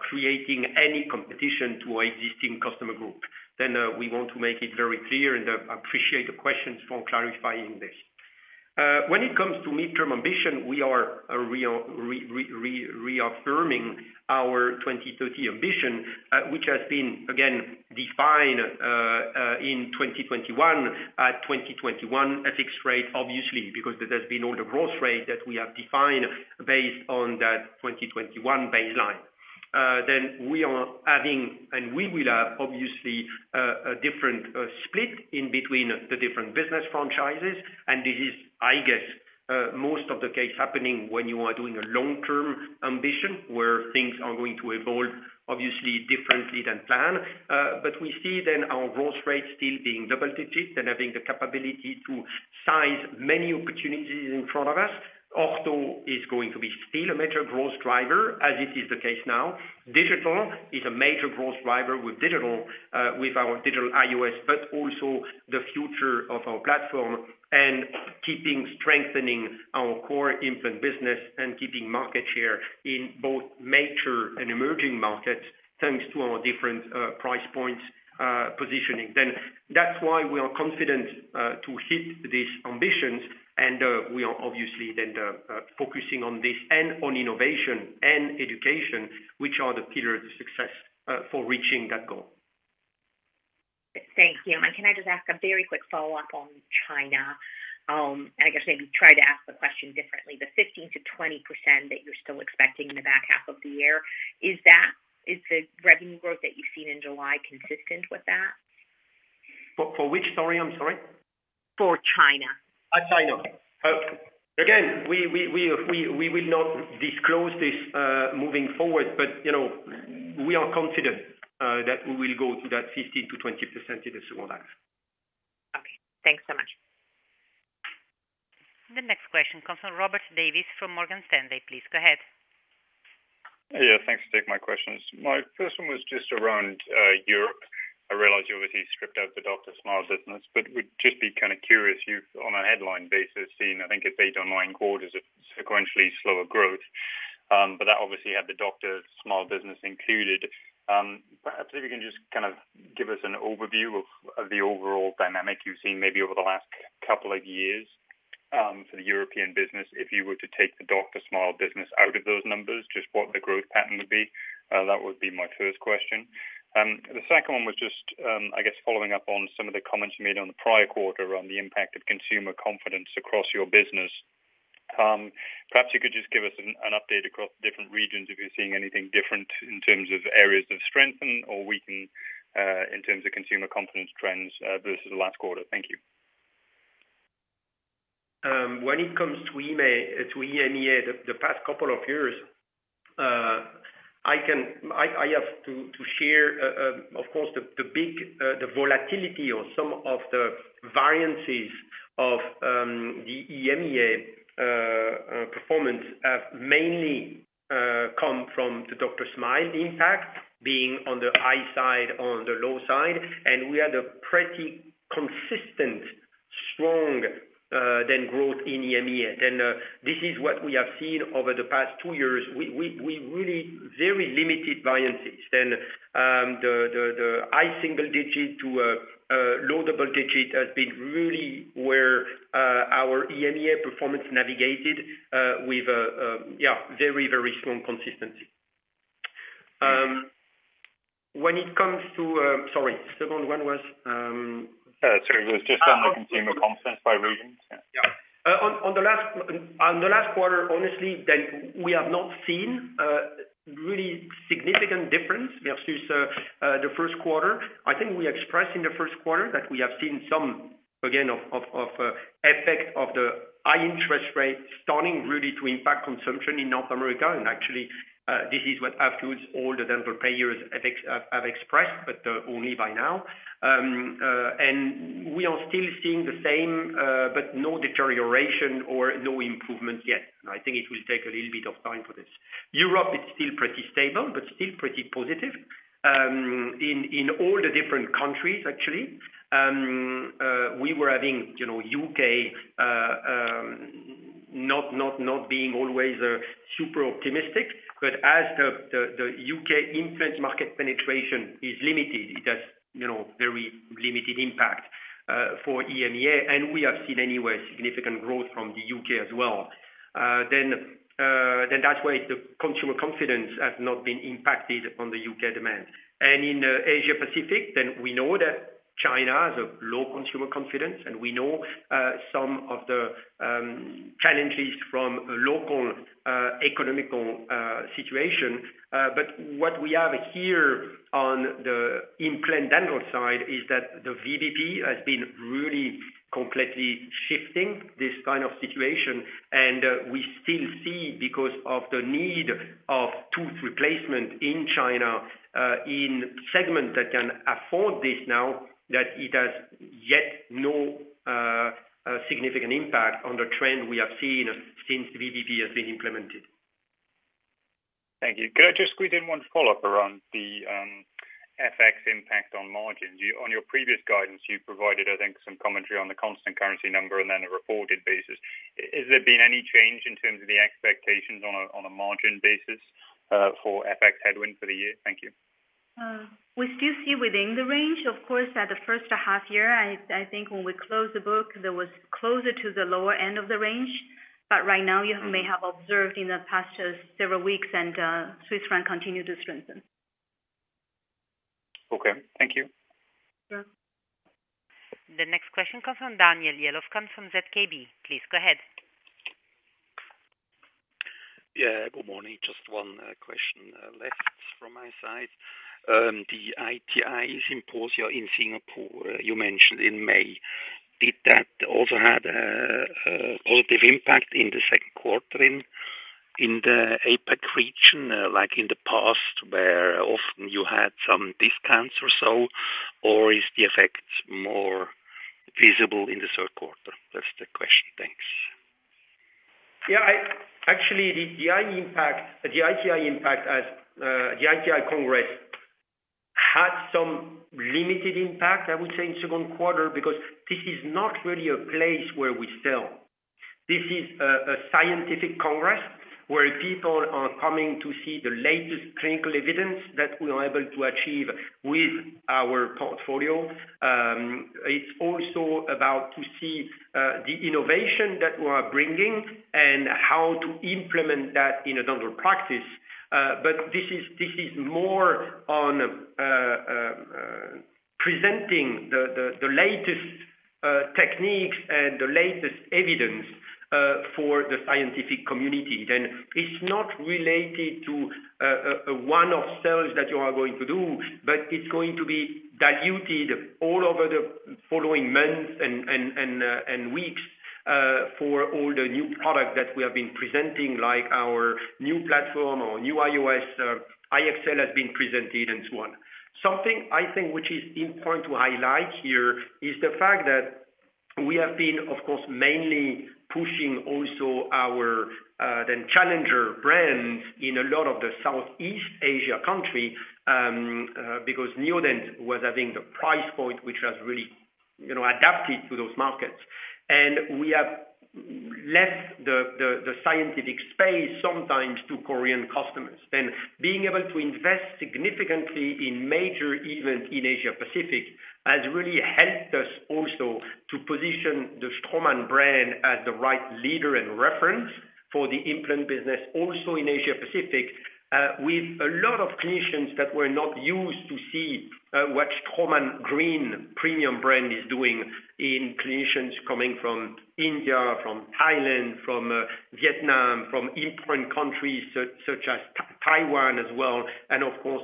creating any competition to our existing customer group. Then, we want to make it very clear, and I appreciate the questions for clarifying this. When it comes to midterm ambition, we are reaffirming our 2030 ambition, which has been, again, defined in 2021, at 2021 FX rate, obviously, because there has been all the growth rate that we have defined based on that 2021 baseline. Then we are having, and we will have, obviously, a different split in between the different business franchises, and this is, I guess, most of the case happening when you are doing a long-term ambition, where things are going to evolve obviously differently than planned. But we see then our growth rate still being double digits and having the capability to size many opportunities in front of us. Ortho is going to be still a major growth driver, as it is the case now. Digital is a major growth driver with digital, with our digital IOS, but also the future of our platform, and keeping strengthening our core implant business and keeping market share in both mature and emerging markets, thanks to our different, price points, positioning. Then that's why we are confident, to hit these ambitions, and, we are obviously then, focusing on this and on innovation and education, which are the pillars of success, for reaching that goal. Thanks, Yann. Can I just ask a very quick follow-up on China? And I guess maybe try to ask the question differently. The 15%-20% that you're still expecting in the back half of the year, is that-- is the revenue growth that you've seen in July consistent with that? For which, sorry? I'm sorry. For China. China. Again, we will not disclose this moving forward, but, you know, we are confident that we will go to that 15%-20% in the second half. Okay, thanks so much. The next question comes from Robert Davies from Morgan Stanley. Please go ahead. Yeah, thanks for taking my questions. My first one was just around Europe. I realize you obviously stripped out the DrSmile business, but would just be kind of curious. You've, on a headline basis, seen, I think, eight online quarters of sequentially slower growth, but that obviously had the DrSmile business included. Perhaps if you can just kind of give us an overview of the overall dynamic you've seen maybe over the last couple of years, for the European business, if you were to take the DrSmile business out of those numbers, just what the growth pattern would be? That would be my first question. The second one was just, I guess, following up on some of the comments you made on the prior quarter on the impact of consumer confidence across your business. Perhaps you could just give us an update across different regions, if you're seeing anything different in terms of areas of strengthen or weaken, in terms of consumer confidence trends, versus the last quarter. Thank you. When it comes to EMEA, the past couple of years, I have to share, of course, the big volatility or some of the variances of the EMEA performance have mainly come from the DrSmile impact being on the high side, on the low side, and we had a pretty consistent, strong then growth in EMEA. And this is what we have seen over the past two years. We really very limited variances, and the high single digit to a low double digit has been really where our EMEA performance navigated with very, very strong consistency. When it comes to. Sorry, second one was? Sorry, it was just on the consumer confidence by regions. Yeah. On the last quarter, honestly, we have not seen really significant difference versus the first quarter. I think we expressed in the first quarter that we have seen some, again, of the effect of the high interest rates starting really to impact consumption in North America. And actually, this is what afterwards all the dental players have expressed, but only by now. And we are still seeing the same, but no deterioration or no improvement yet. I think it will take a little bit of time for this. Europe is still pretty stable, but still pretty positive. In all the different countries, actually. We were having, you know, UK, not being always, super optimistic, but as the, the, the UK implant market penetration is limited, it has, you know, very limited impact, for EMEA, and we have seen anyway, significant growth from the UK as well. Then, then that's why the consumer confidence has not been impacted on the UK demand. And in, Asia Pacific, then we know that China has a low consumer confidence, and we know, some of the, challenges from local, economical, situation. But what we have here on the implant dental side is that the VBP has been really completely shifting this kind of situation, and we still see, because of the need of tooth replacement in China, in segment that can afford this now, that it has yet no significant impact on the trend we have seen since VBP has been implemented. Thank you. Could I just squeeze in one follow-up around the FX impact on margins? On your previous guidance, you provided, I think, some commentary on the constant currency number and then a reported basis. Has there been any change in terms of the expectations on a, on a margin basis, for FX headwind for the year? Thank you. We still see within the range, of course, at the first half year, I think when we closed the book, that was closer to the lower end of the range. But right now, you may have observed in the past several weeks that Swiss franc continued to strengthen. Okay, thank you. Sure. The next question comes from Daniel Jelovcan from ZKB. Please go ahead. Yeah, good morning. Just one question left from my side. The ITI symposia in Singapore, you mentioned in May, did that also had a positive impact in the second quarter in the APAC region, like in the past, where often you had some discounts or so, or is the effect more visible in the third quarter? That's the question. Thanks. Yeah, actually, the ITI impact, as the ITI Congress had some limited impact, I would say, in second quarter, because this is not really a place where we sell. This is a scientific congress, where people are coming to see the latest clinical evidence that we are able to achieve with our portfolio. It's also about to see the innovation that we are bringing and how to implement that in a dental practice. But this is more on presenting the latest techniques and the latest evidence for the scientific community. Then it's not related to a one-off sales that you are going to do, but it's going to be diluted all over the following months and weeks for all the new products that we have been presenting, like our new platform or new IOS, iEXCEL has been presented and so on. Something I think, which is important to highlight here, is the fact that we have been, of course, mainly pushing also our the challenger brands in a lot of the Southeast Asia country. Because Neodent was having the price point, which was really, you know, adapted to those markets. And we have left the scientific space sometimes to Korean customers. Being able to invest significantly in major events in Asia Pacific has really helped us also to position the Straumann brand as the right leader and reference for the implant business, also in Asia Pacific, with a lot of clinicians that were not used to see what Straumann green premium brand is doing in clinicians coming from India, from Thailand, from Vietnam, from important countries such as Taiwan as well, and of course,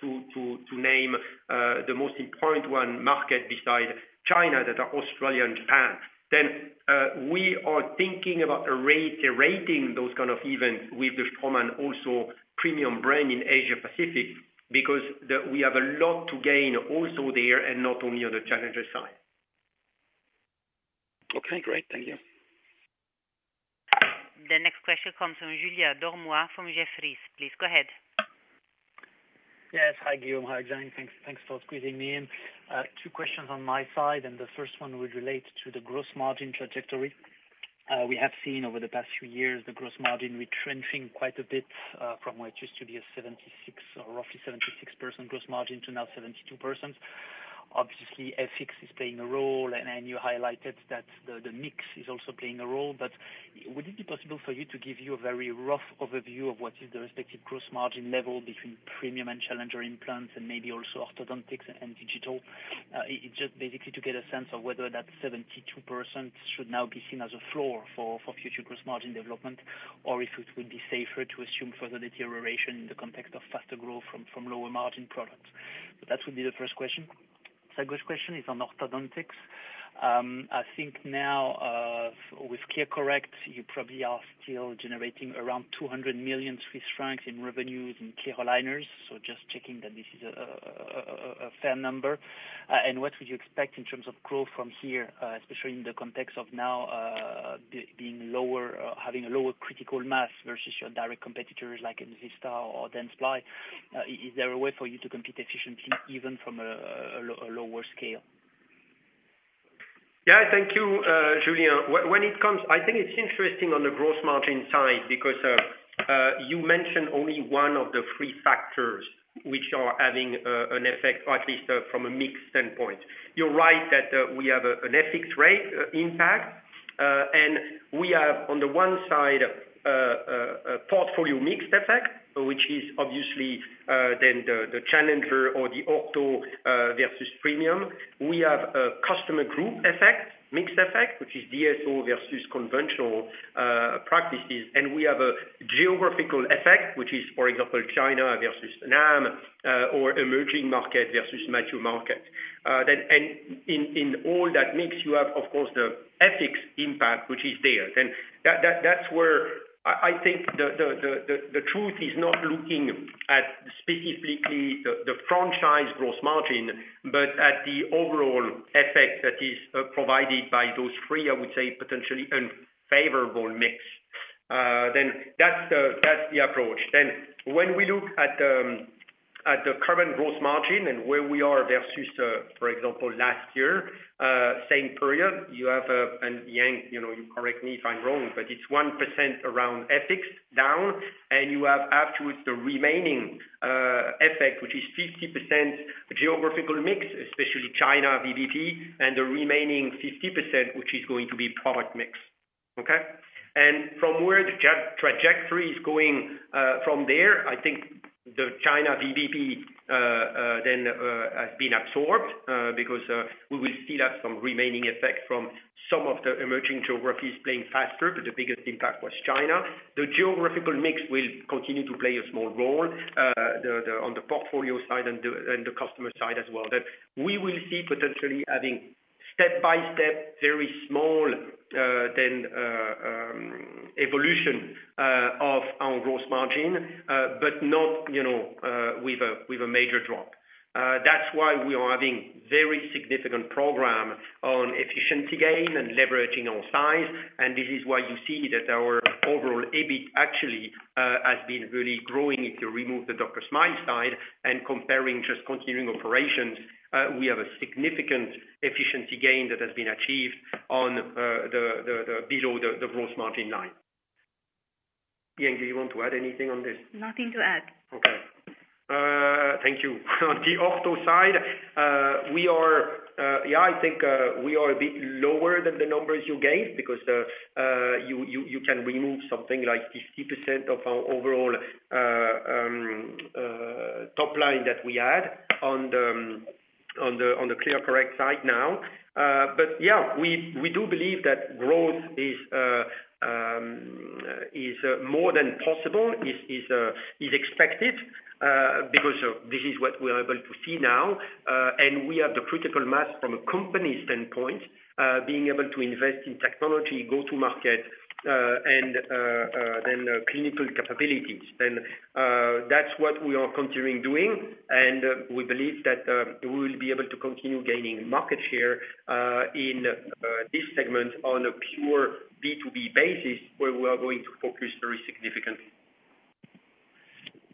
to name the most important one, market besides China, that are Australia and Japan. Then, we are thinking about generating those kind of events with the Straumann also premium brand in Asia Pacific, because we have a lot to gain also there, and not only on the challenger side. Okay, great. Thank you. The next question comes from Julien Dormoy, from Jefferies. Please go ahead. Yes, hi, Guillaume, hi, Yang. Thanks, thanks for squeezing me in. Two questions on my side, and the first one would relate to the gross margin trajectory. We have seen over the past few years, the gross margin retrenching quite a bit, from what used to be a 76 or roughly 76% gross margin to now 72%. Obviously, FX is playing a role, and, and you highlighted that the, the mix is also playing a role. But would it be possible for you to give you a very rough overview of what is the respective gross margin level between premium and challenger implants, and maybe also orthodontics and digital? It's just basically to get a sense of whether that 72% should now be seen as a floor for future gross margin development, or if it would be safer to assume further deterioration in the context of faster growth from lower margin products. But that would be the first question. Second question is on orthodontics. I think now, with ClearCorrect, you probably are still generating around 200 million Swiss francs in revenues in clear aligners. So just checking that this is a fair number. And what would you expect in terms of growth from here, especially in the context of now, being lower, having a lower critical mass versus your direct competitors, like Invisalign or Dentsply? Is there a way for you to compete efficiently, even from a lower scale? Yeah, thank you, Julien. When it comes, I think it's interesting on the gross margin side, because you mentioned only one of the three factors which are having an effect, at least, from a mix standpoint. You're right, that we have an FX rate impact, and we have, on the one side, a portfolio mix effect, which is obviously then the challenger or the ortho versus premium. We have a customer group effect, mix effect, which is DSO versus conventional practices. And we have a geographical effect, which is, for example, China versus NAM or emerging market versus mature markets. Then, and in all that mix, you have, of course, the FX impact, which is there. Then that's where I think the truth is not looking at specifically the franchise gross margin, but at the overall effect that is provided by those three, I would say, potentially unfavorable mix. Then that's the approach. Then, when we look at the current gross margin and where we are versus, for example, last year, same period, you have, and Yang, you know, you correct me if I'm wrong, but it's 1 percentage point down, and you have afterwards the remaining effect, which is 50% geographical mix, especially China, VBP, and the remaining 50%, which is going to be product mix. Okay? And from where the trajectory is going, from there, I think. the China VBP, then, has been absorbed, because we will still have some remaining effect from some of the emerging geographies playing faster, but the biggest impact was China. The geographical mix will continue to play a small role, on the portfolio side and the customer side as well. That we will see potentially having step-by-step, very small, then, evolution, of our gross margin, but not, you know, with a major drop. That's why we are having very significant program on efficiency gain and leveraging our size, and this is why you see that our overall EBIT actually has been really growing. If you remove the DrSmile side and comparing just continuing operations, we have a significant efficiency gain that has been achieved on the below the gross margin line. Yang, do you want to add anything on this? Nothing to add. Okay. Thank you. On the ortho side, we are, yeah, I think, we are a bit lower than the numbers you gave because you can remove something like 50% of our overall top line that we had on the ClearCorrect side now. But yeah, we do believe that growth is more than possible, is expected, because this is what we are able to see now. And we have the critical mass from a company standpoint, being able to invest in technology, go to market, and then clinical capabilities. That's what we are continuing doing, and we believe that we will be able to continue gaining market share in this segment on a pure B2B basis, where we are going to focus very significantly.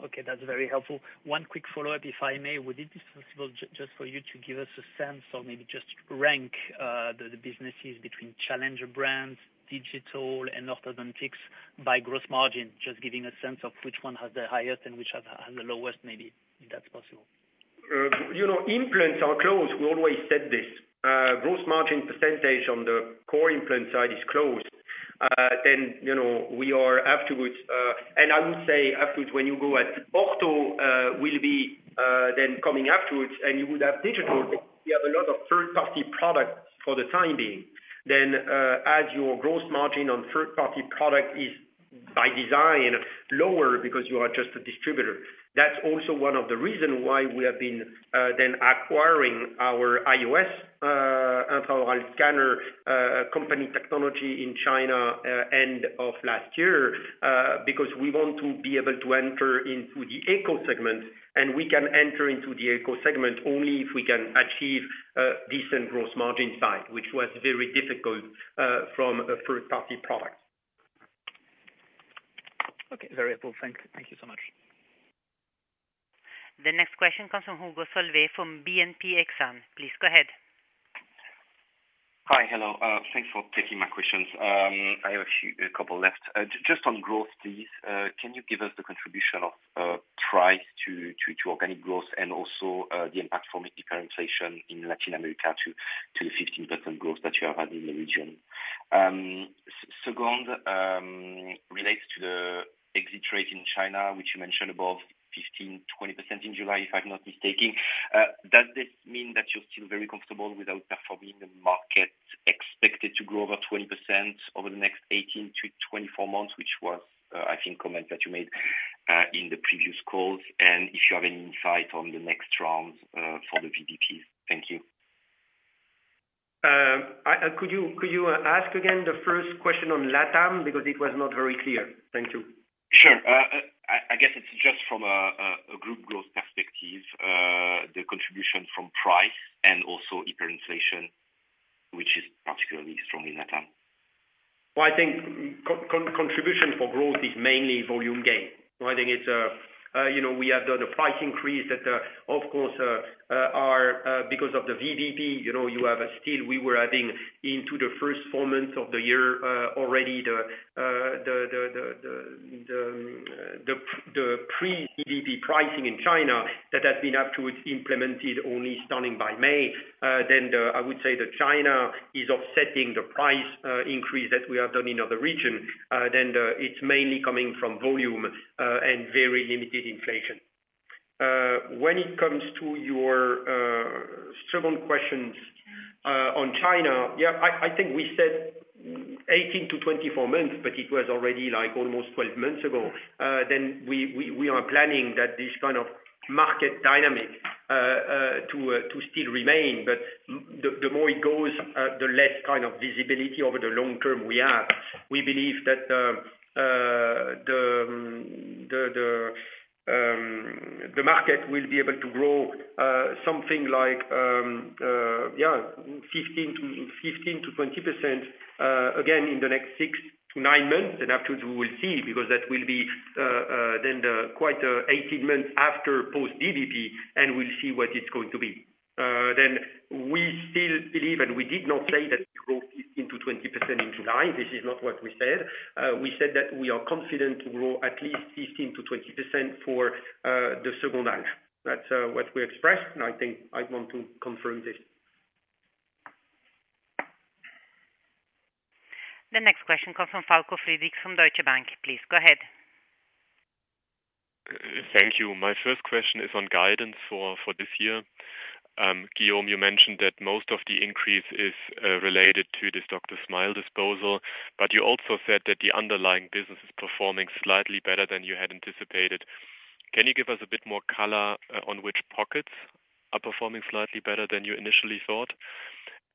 Okay, that's very helpful. One quick follow-up, if I may. Would it be possible just for you to give us a sense or maybe just rank the businesses between challenger brands, digital, and orthodontics by gross margin, just giving a sense of which one has the highest and which have the lowest, maybe, if that's possible? You know, implants are close. We always said this. Gross margin percentage on the core implant side is close. Then, you know, we are afterwards, and I would say afterwards, when you go at ortho, will be, then coming afterwards and you would have digital. We have a lot of third-party products for the time being. Then, as your gross margin on third party product is by design, lower because you are just a distributor. That's also one of the reasons why we have been, then acquiring our IOS, intraoral scanner, company technology in China, end of last year. Because we want to be able to enter into the eco segment, and we can enter into the eco segment only if we can achieve a decent gross margin side, which was very difficult from a third party product. Okay, very cool. Thanks. Thank you so much. The next question comes from Hugo Solvet from BNP Paribas Exane. Please go ahead. Hi. Hello, thanks for taking my questions. I have a few, a couple left. Just on growth, please, can you give us the contribution of price to organic growth and also the impact from hyperinflation in Latin America to the 15% growth that you have had in the region? Second, relates to the exit rate in China, which you mentioned above 15%-20% in July, if I'm not mistaking. Does this mean that you're still very comfortable without performing the market, expected to grow over 20% over the next 18-24 months, which was, I think, comment that you made in the previous calls? And if you have any insight on the next rounds for the VBP. Thank you. Could you ask again the first question on LATAM? Because it was not very clear. Thank you. Sure. I guess it's just from a group growth perspective, the contribution from price and also hyperinflation, which is particularly strong in LATAM. Well, I think contribution for growth is mainly volume gain. So I think it's, you know, we have done the price increase that, of course, are because of the VBP. You know, you have a still—we were adding into the first 4 months of the year, already the pre-VBP pricing in China, that has been afterwards implemented only starting by May. Then the-- I would say that China is offsetting the price increase that we have done in other region. Then the, it's mainly coming from volume, and very limited inflation. When it comes to your second questions, on China, yeah, I think we said 18-24 months, but it was already like almost 12 months ago. Then we are planning that this kind of market dynamic to still remain, but the more it goes, the less kind of visibility over the long term we have. We believe that the market will be able to grow something like 15%-20% again in the next six to nine months. Afterwards, we will see, because that will be then quite 18 months after post VBP, and we'll see what it's going to be. Then we still believe, and we did not say that we grew 15%-20% in July. This is not what we said. We said that we are confident to grow at least 15%-20% for the second half. That's what we expressed, and I think I want to confirm this. The next question comes from Falko Friedrichs from Deutsche Bank. Please go ahead. Thank you. My first question is on guidance for this year. Guillaume, you mentioned that most of the increase is related to this DrSmile disposal, but you also said that the underlying business is performing slightly better than you had anticipated. Can you give us a bit more color on which pockets are performing slightly better than you initially thought?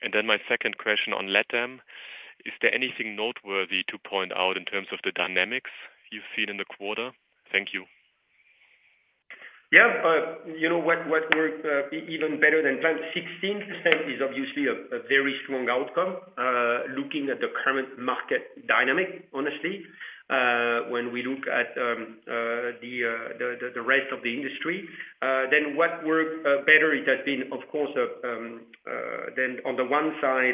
And then my second question on LATAM, is there anything noteworthy to point out in terms of the dynamics you've seen in the quarter? Thank you. Yeah. You know what, what worked even better than planned, 16% is obviously a very strong outcome. Looking at the current market dynamic, honestly, when we look at the rest of the industry, then what worked better, it has been, of course, then on the one side,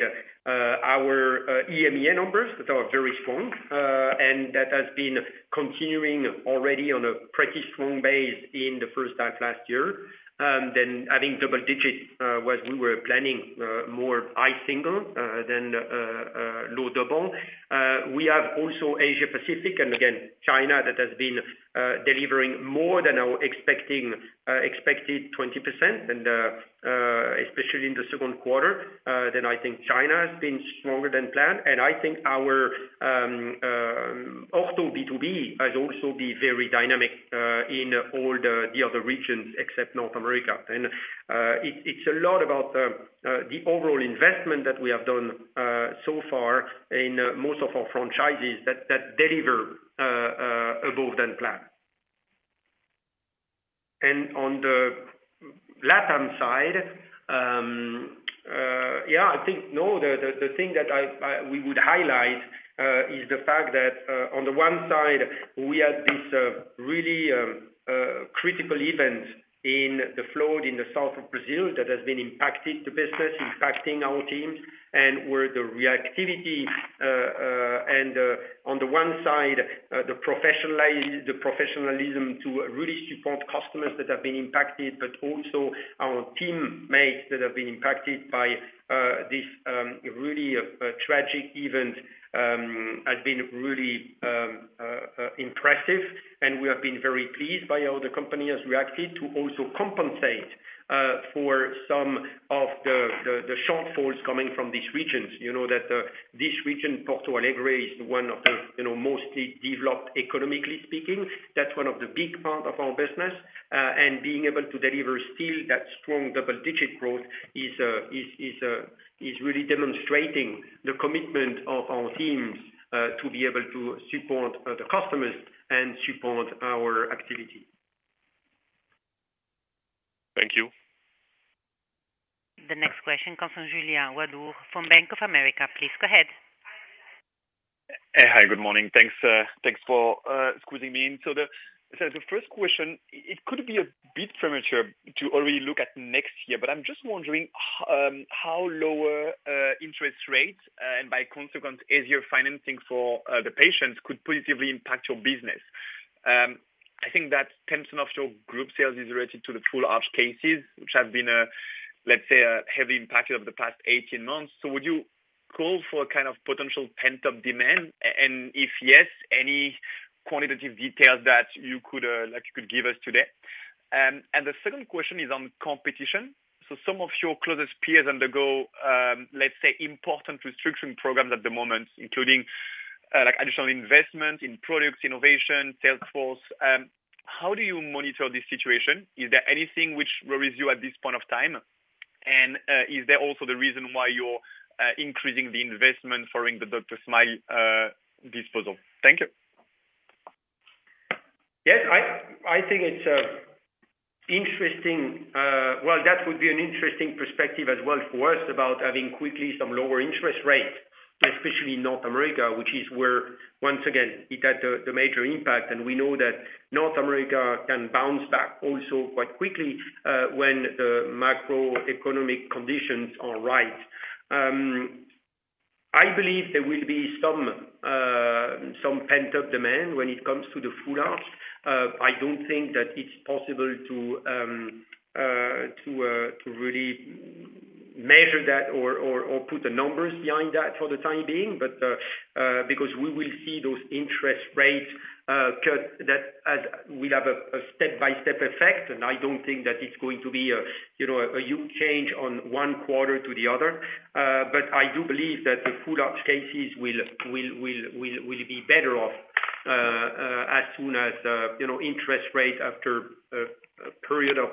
our EMEA numbers that are very strong, and that has been continuing already on a pretty strong base in the first half last year. Then having double digit, was we were planning more high single than low double. We have also Asia Pacific, and again, China that has been delivering more than our expected 20% and especially in the second quarter. Then I think China has been stronger than planned, and I think our B2B has also been very dynamic in all the other regions except North America. It's a lot about the overall investment that we have done so far in most of our franchises that deliver above than planned. And on the LATAM side, the thing that we would highlight is the fact that on the one side, we had this really critical event in the flood in the south of Brazil that has been impacting the business, impacting our teams and where the reactivity and on the one side the professionalism to really support customers that have been impacted, but also our teammates that have been impacted by this really tragic event has been really impressive. And we have been very pleased by how the company has reacted to also compensate for some of the shortfalls coming from these regions. You know, that this region, Porto Alegre, is one of the, you know, mostly developed, economically speaking. That's one of the big part of our business, and being able to deliver still that strong double-digit growth is really demonstrating the commitment of our teams, to be able to support the customers and support our activity. Thank you. The next question comes from Julien Ouaddour from Bank of America. Please go ahead. Hi, good morning. Thanks for squeezing me in. So the first question, it could be a bit premature to already look at next year, but I'm just wondering how lower interest rates and by consequence, easier financing for the patients could positively impact your business. I think that 10% of your group sales is related to the full arch cases, which have been, let's say, heavily impacted over the past 18 months. So would you call for a kind of potential pent-up demand? And if yes, any quantitative details that you could give us today? And the second question is on competition. So some of your closest peers undergo, let's say, important restructuring programs at the moment, including, like, additional investment in products, innovation, sales force. How do you monitor this situation? Is there anything which worries you at this point of time? And, is there also the reason why you're increasing the investment following the DrSmile disposal? Thank you. Yes, I think it's interesting. Well, that would be an interesting perspective as well for us about having quickly some lower interest rates, especially in North America, which is where, once again, it had the major impact. And we know that North America can bounce back also quite quickly when the macroeconomic conditions are right. I believe there will be some pent-up demand when it comes to the full arch. I don't think that it's possible to really measure that or put the numbers behind that for the time being. But because we will see those interest rates cut, that will have a step-by-step effect, and I don't think that it's going to be a huge change on one quarter to the other. But I do believe that the full arch cases will be better off as soon as, you know, interest rate after a period of,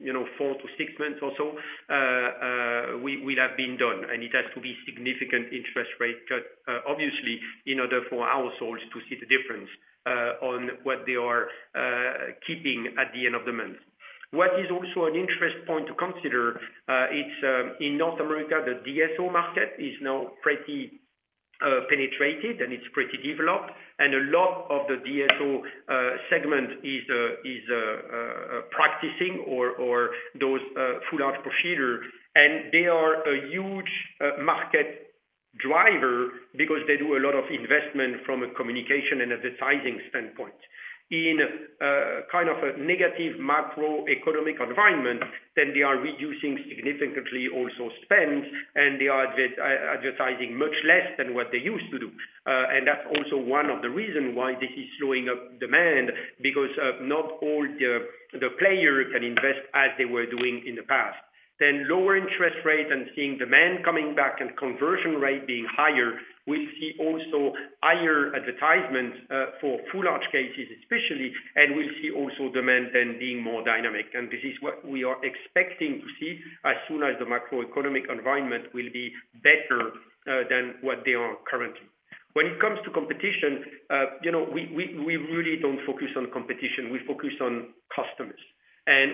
you know, four to six months or so, will have been done. And it has to be significant interest rate cut, obviously, in order for households to see the difference on what they are keeping at the end of the month. What is also an interest point to consider, it's in North America, the DSO market is now pretty penetrated, and it's pretty developed, and a lot of the DSO segment is practicing or those full arch procedure. And they are a huge market driver because they do a lot of investment from a communication and advertising standpoint. In kind of a negative macroeconomic environment, then they are reducing significantly also spend, and they are advertising much less than what they used to do. And that's also one of the reason why this is slowing up demand, because not all the players can invest as they were doing in the past. Then lower interest rates and seeing demand coming back and conversion rate being higher, we'll see also higher advertisements for full arch cases especially, and we'll see also demand then being more dynamic. And this is what we are expecting to see as soon as the macroeconomic environment will be better than what they are currently. When it comes to competition, you know, we really don't focus on competition, we focus on customers.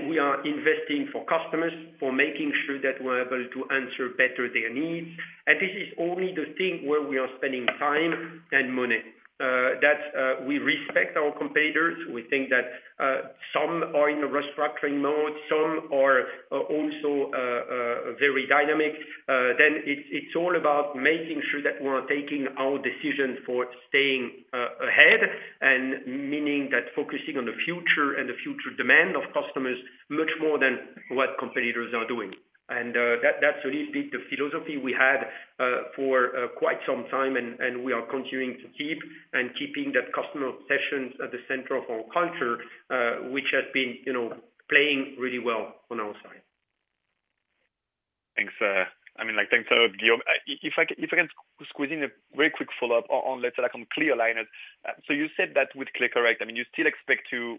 We are investing for customers, for making sure that we're able to answer better their needs, and this is only the thing where we are spending time and money. That's, we respect our competitors, we think that, some are in a restructuring mode, some are also very dynamic. Then it's all about making sure that we're taking our decision for staying ahead, and meaning that focusing on the future and the future demand of customers much more than what competitors are doing. That's really been the philosophy we had for quite some time, and we are continuing to keep that customer obsession at the center of our culture, which has been, you know, playing really well on our side. Thanks, I mean, like, thanks, Guillaume. If I can squeeze in a very quick follow-up on, let's say, on clear aligners. So you said that with ClearCorrect, I mean, you still expect to,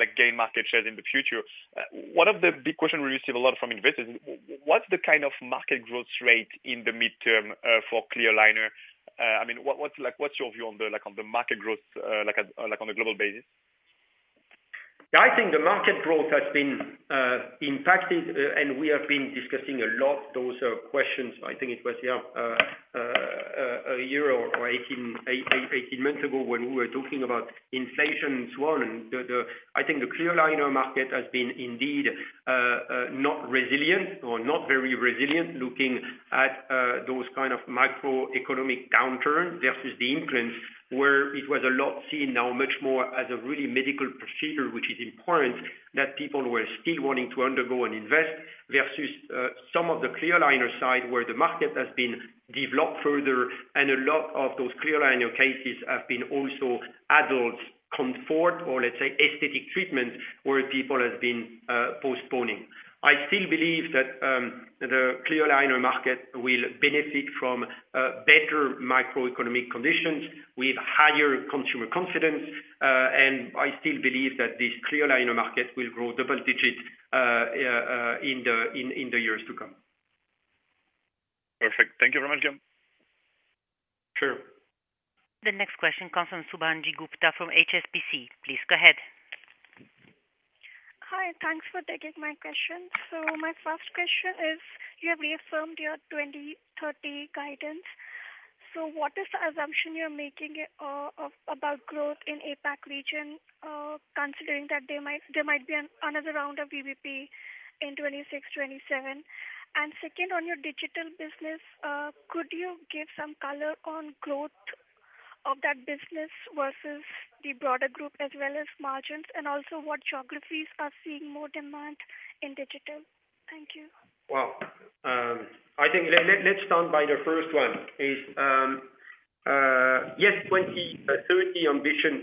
like, gain market share in the future. One of the big question we receive a lot from investors, what's the kind of market growth rate in the midterm, for clear aligner? I mean, what's like, what's your view on the, like, on the market growth, like at, like, on a global basis? Yeah, I think the market growth has been impacted, and we have been discussing a lot those questions. I think it was, yeah, a year or 18 months ago, when we were talking about inflation and so on. I think the clear aligner market has been indeed not resilient or not very resilient, looking at those kind of macroeconomic downturn versus the implants, where it was a lot seen now much more as a really medical procedure, which is important, that people were still wanting to undergo and invest, versus some of the clear aligner side, where the market has been developed further, and a lot of those clear aligner cases have been also adult comfort or let's say, aesthetic treatment, where people have been postponing. I still believe that the clear aligner market will benefit from better macroeconomic conditions with higher consumer confidence, and I still believe that this clear aligner market will grow double digits in the years to come. Perfect. Thank you very much, Guillaume. Sure. The next question comes from Shubhangi Gupta from HSBC. Please go ahead. Hi, thanks for taking my question. So my first question is, you have reaffirmed your 2030 guidance. So what is the assumption you're making about growth in APAC region, considering that there might be another round of VBP in 2026, 2027? And second, on your digital business, could you give some color on growth of that business versus the broader group, as well as margins, and also what geographies are seeing more demand in digital? Thank you. Well, I think let's start by the first one, is yes, 2030 ambition.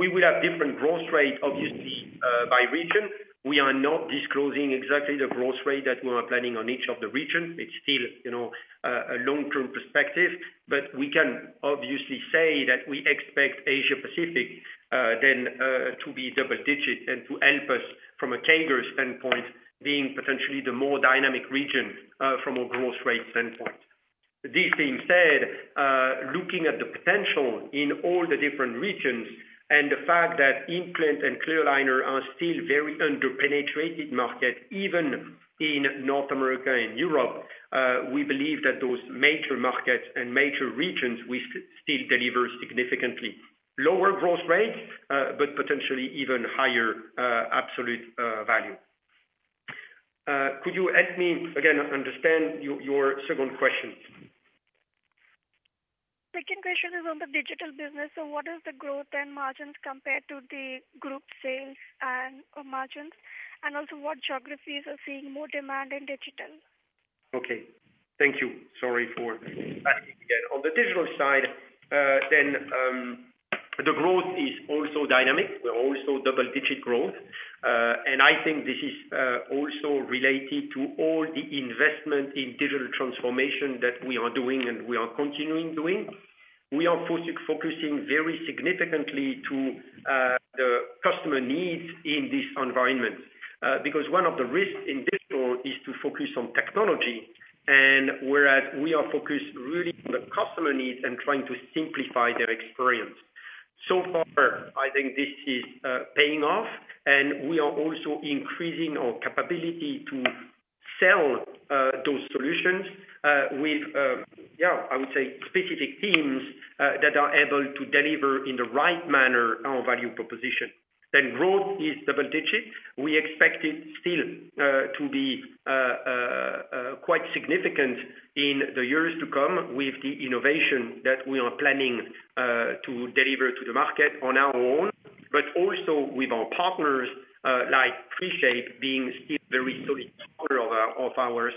We will have different growth rate obviously, by region. We are not disclosing exactly the growth rate that we are planning on each of the regions. It's still, you know, a long-term perspective, but we can obviously say that we expect Asia Pacific, then, to be double digits and to help us from a group standpoint, being potentially the more dynamic region, from a growth rate standpoint. This being said, looking at the potential in all the different regions and the fact that implant and clear aligner are still very under-penetrated market, even in North America and Europe, we believe that those major markets and major regions will still deliver significantly lower growth rates, but potentially even higher absolute value. Could you help me again understand your second question? Second question is on the digital business. So what is the growth and margins compared to the group sales and margins, and also what geographies are seeing more demand in digital? Okay. Thank you. Sorry for asking again. On the digital side, the growth is also dynamic. We're also double digit growth. I think this is also related to all the investment in digital transformation that we are doing, and we are continuing doing. We are focusing very significantly to the customer needs in this environment, because one of the risks in digital is to focus on technology, and whereas we are focused really on the customer needs and trying to simplify their experience. So far, I think this is paying off, and we are also increasing our capability to sell those solutions with, I would say specific teams that are able to deliver in the right manner, our value proposition. Growth is double digits. We expect it still to be quite significant in the years to come with the innovation that we are planning to deliver to the market on our own, but also with our partners like 3Shape, being still very solid partner of ours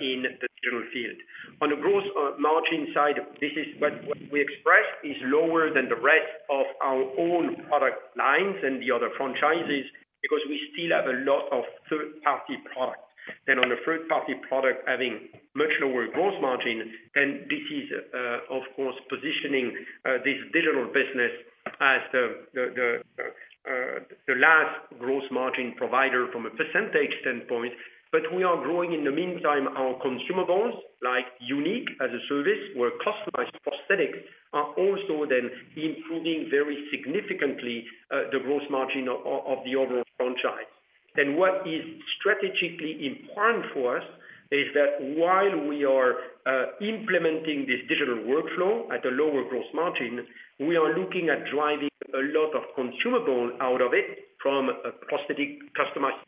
in the general field. On the gross margin side, this is what we expressed is lower than the rest of our own product lines and the other franchises, because we still have a lot of third-party products. And on the third-party product, having much lower gross margin, and this is, of course, positioning this digital business as the last gross margin provider from a percentage standpoint. But we are growing in the meantime, our consumables, like UN!Q as a service, where customized prosthetics are also then improving very significantly, the gross margin of the overall franchise. And what is strategically important for us, is that while we are implementing this digital workflow at a lower gross margin, we are looking at driving a lot of consumable out of it from a prosthetic, customized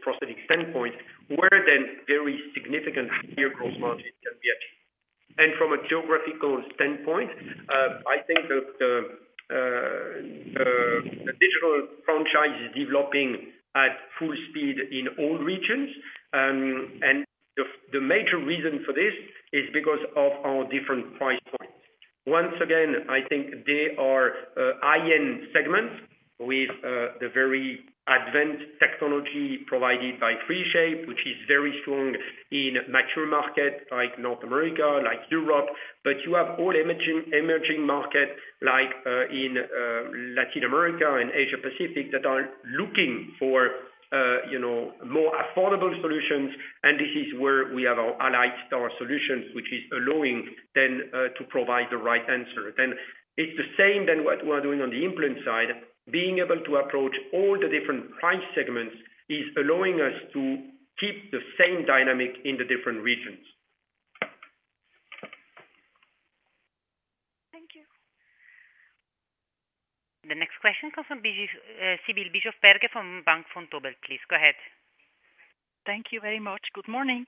prosthetic standpoint, where then very significant higher gross margin can be achieved. And from a geographical standpoint, I think that the digital franchise is developing at full speed in all regions. And the major reason for this is because of our different price points. Once again, I think they are high-end segments with the very advanced technology provided by 3Shape, which is very strong in mature markets, like North America, like Europe. But you have all emerging, emerging markets like in Latin America and Asia Pacific, that are looking for you know, more affordable solutions, and this is where we have our AlliedStar solutions, which is allowing then to provide the right answer. Then it's the same than what we are doing on the implant side, being able to approach all the different price segments, is allowing us to keep the same dynamic in the different regions. Thank you. The next question comes from Sibylle Bischofberger from Bank Vontobel. Please go ahead. Thank you very much. Good morning.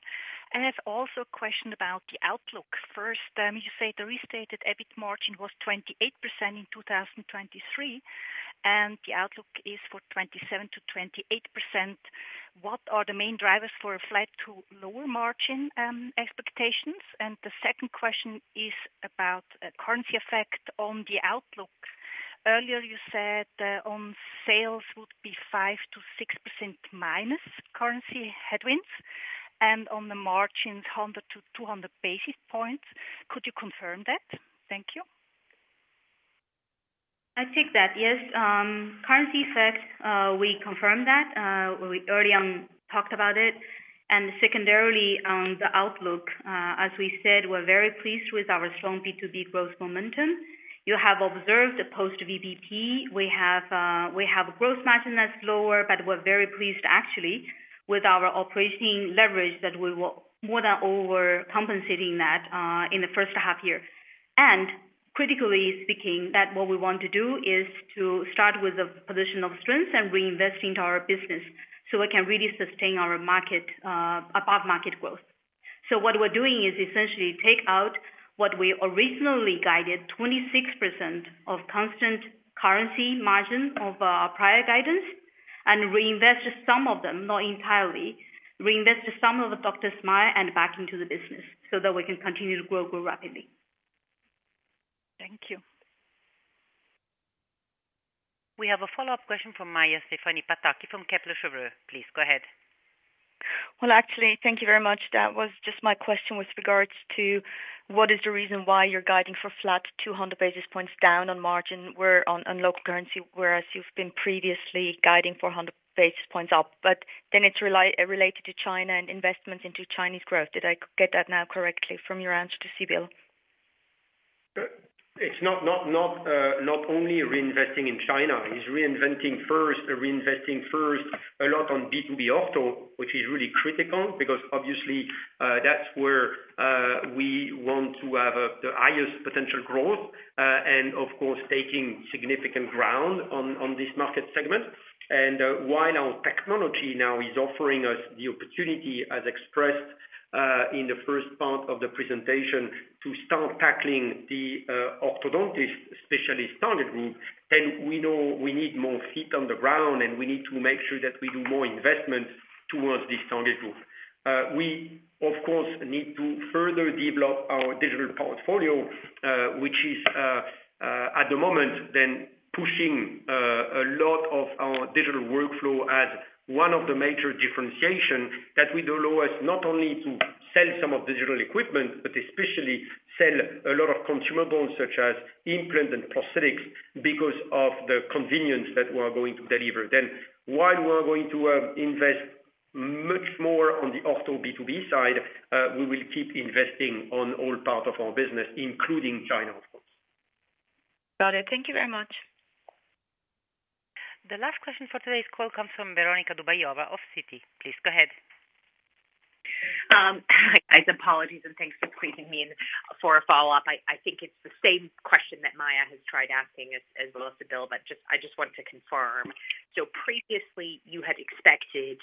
I have also a question about the outlook. First, you said the restated EBIT margin was 28% in 2023, and the outlook is for 27%-28%. What are the main drivers for a flat to lower margin expectations? And the second question is about currency effect on the outlook. Earlier you said on sales would be 5%-6% minus currency headwinds, and on the margins, 100-200 basis points. Could you confirm that? Thank you. I take that. Yes, currency effect, we confirm that, we early on talked about it. And secondarily, on the outlook, as we said, we're very pleased with our strong B2B growth momentum. You have observed the post VBP. We have a gross margin that's lower, but we're very pleased actually, with our operating leverage, that we were more than over compensating that, in the first half year. And critically speaking, that what we want to do is to start with a position of strength and reinvest into our business, so we can really sustain our market, above market growth. So what we're doing is essentially take out what we originally guided, 26% of constant currency margin of our prior guidance, and reinvest some of them, not entirely, reinvest some of the DrSmile and back into the business, so that we can continue to grow, grow rapidly. Thank you. We have a follow-up question from Maja Pataki from Kepler Cheuvreux. Please go ahead. Well, actually, thank you very much. That was just my question with regards to, what is the reason why you're guiding for flat 200 basis points down on margin, where on local currency, whereas you've been previously guiding 400 basis points up, but then it's related to China and investments into Chinese growth. Did I get that now correctly from your answer to Sibylle? It's not only reinvesting in China, it's reinventing first, reinvesting first, a lot on B2B ortho, which is really critical, because obviously, that's where we want to have the highest potential growth, and of course, taking significant ground on this market segment. And while our technology now is offering us the opportunity as expressed in the first part of the presentation, to start tackling the orthodontist specialist target group, and we know we need more feet on the ground, and we need to make sure that we do more investment towards this target group. We, of course, need to further develop our digital portfolio, which is at the moment then pushing a lot of our digital workflow as one of the major differentiation that will allow us not only to sell some of the digital equipment, but especially sell a lot of consumables, such as implants and prosthetics, because of the convenience that we are going to deliver. Then, while we are going to invest much more on the ortho B2B side, we will keep investing on all part of our business, including China, of course. Got it. Thank you very much. The last question for today's call comes from Veronika Dubajova of Citi. Please go ahead. Guys, apologies and thanks for squeezing me in for a follow-up. I think it's the same question that Maja has tried asking as well as Sibylle, but I just want to confirm. So previously, you had expected,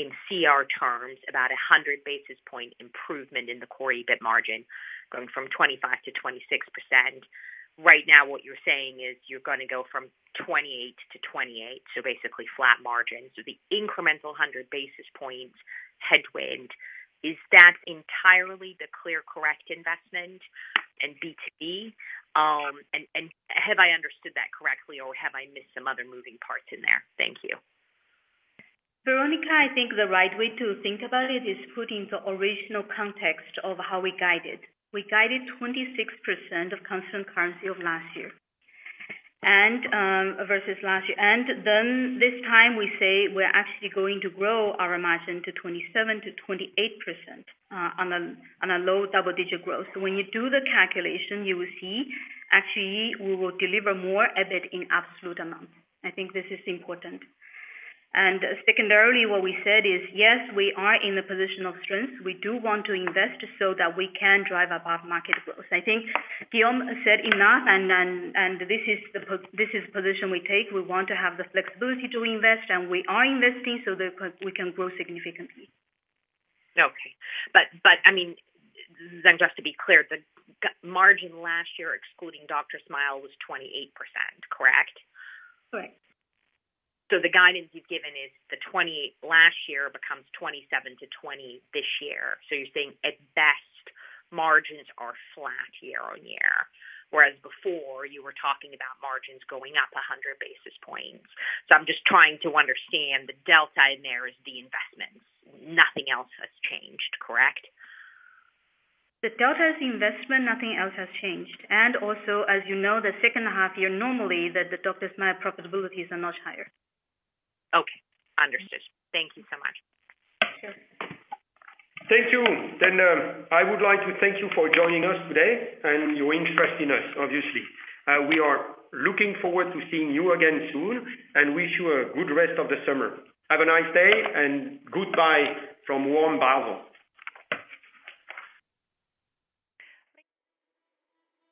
in CR terms, about 100 basis points improvement in the core EBIT margin, going from 25%-26%. Right now, what you're saying is you're gonna go from 28%-28%, so basically flat margins. So the incremental 100 basis points headwind, is that entirely the ClearCorrect investment and B2B? And have I understood that correctly or have I missed some other moving parts in there? Thank you. Veronika, I think the right way to think about it is putting the original context of how we guided. We guided 26% constant currency of last year, and versus last year. Then this time we say we're actually going to grow our margin to 27%-28%, on a low double-digit growth. So when you do the calculation, you will see actually we will deliver more EBIT in absolute amounts. I think this is important. And secondarily, what we said is, yes, we are in a position of strength. We do want to invest so that we can drive above market growth. I think Guillaume said enough, and this is the position we take. We want to have the flexibility to invest, and we are investing so that we can grow significantly. Okay. But I mean, then just to be clear, the gross margin last year, excluding DrSmile, was 28%, correct? Correct. So the guidance you've given is the 20 last year becomes 27-20 this year. So you're saying, at best, margins are flat year-on-year, whereas before you were talking about margins going up 100 basis points. So I'm just trying to understand the delta in there is the investments. Nothing else has changed, correct? The delta is the investment, nothing else has changed. And also, as you know, the second half year, normally, the DrSmile profitabilities are much higher. Okay, understood. Thank you so much. Sure. Thank you. I would like to thank you for joining us today and your interest in us, obviously. We are looking forward to seeing you again soon and wish you a good rest of the summer. Have a nice day and goodbye from warm Basel.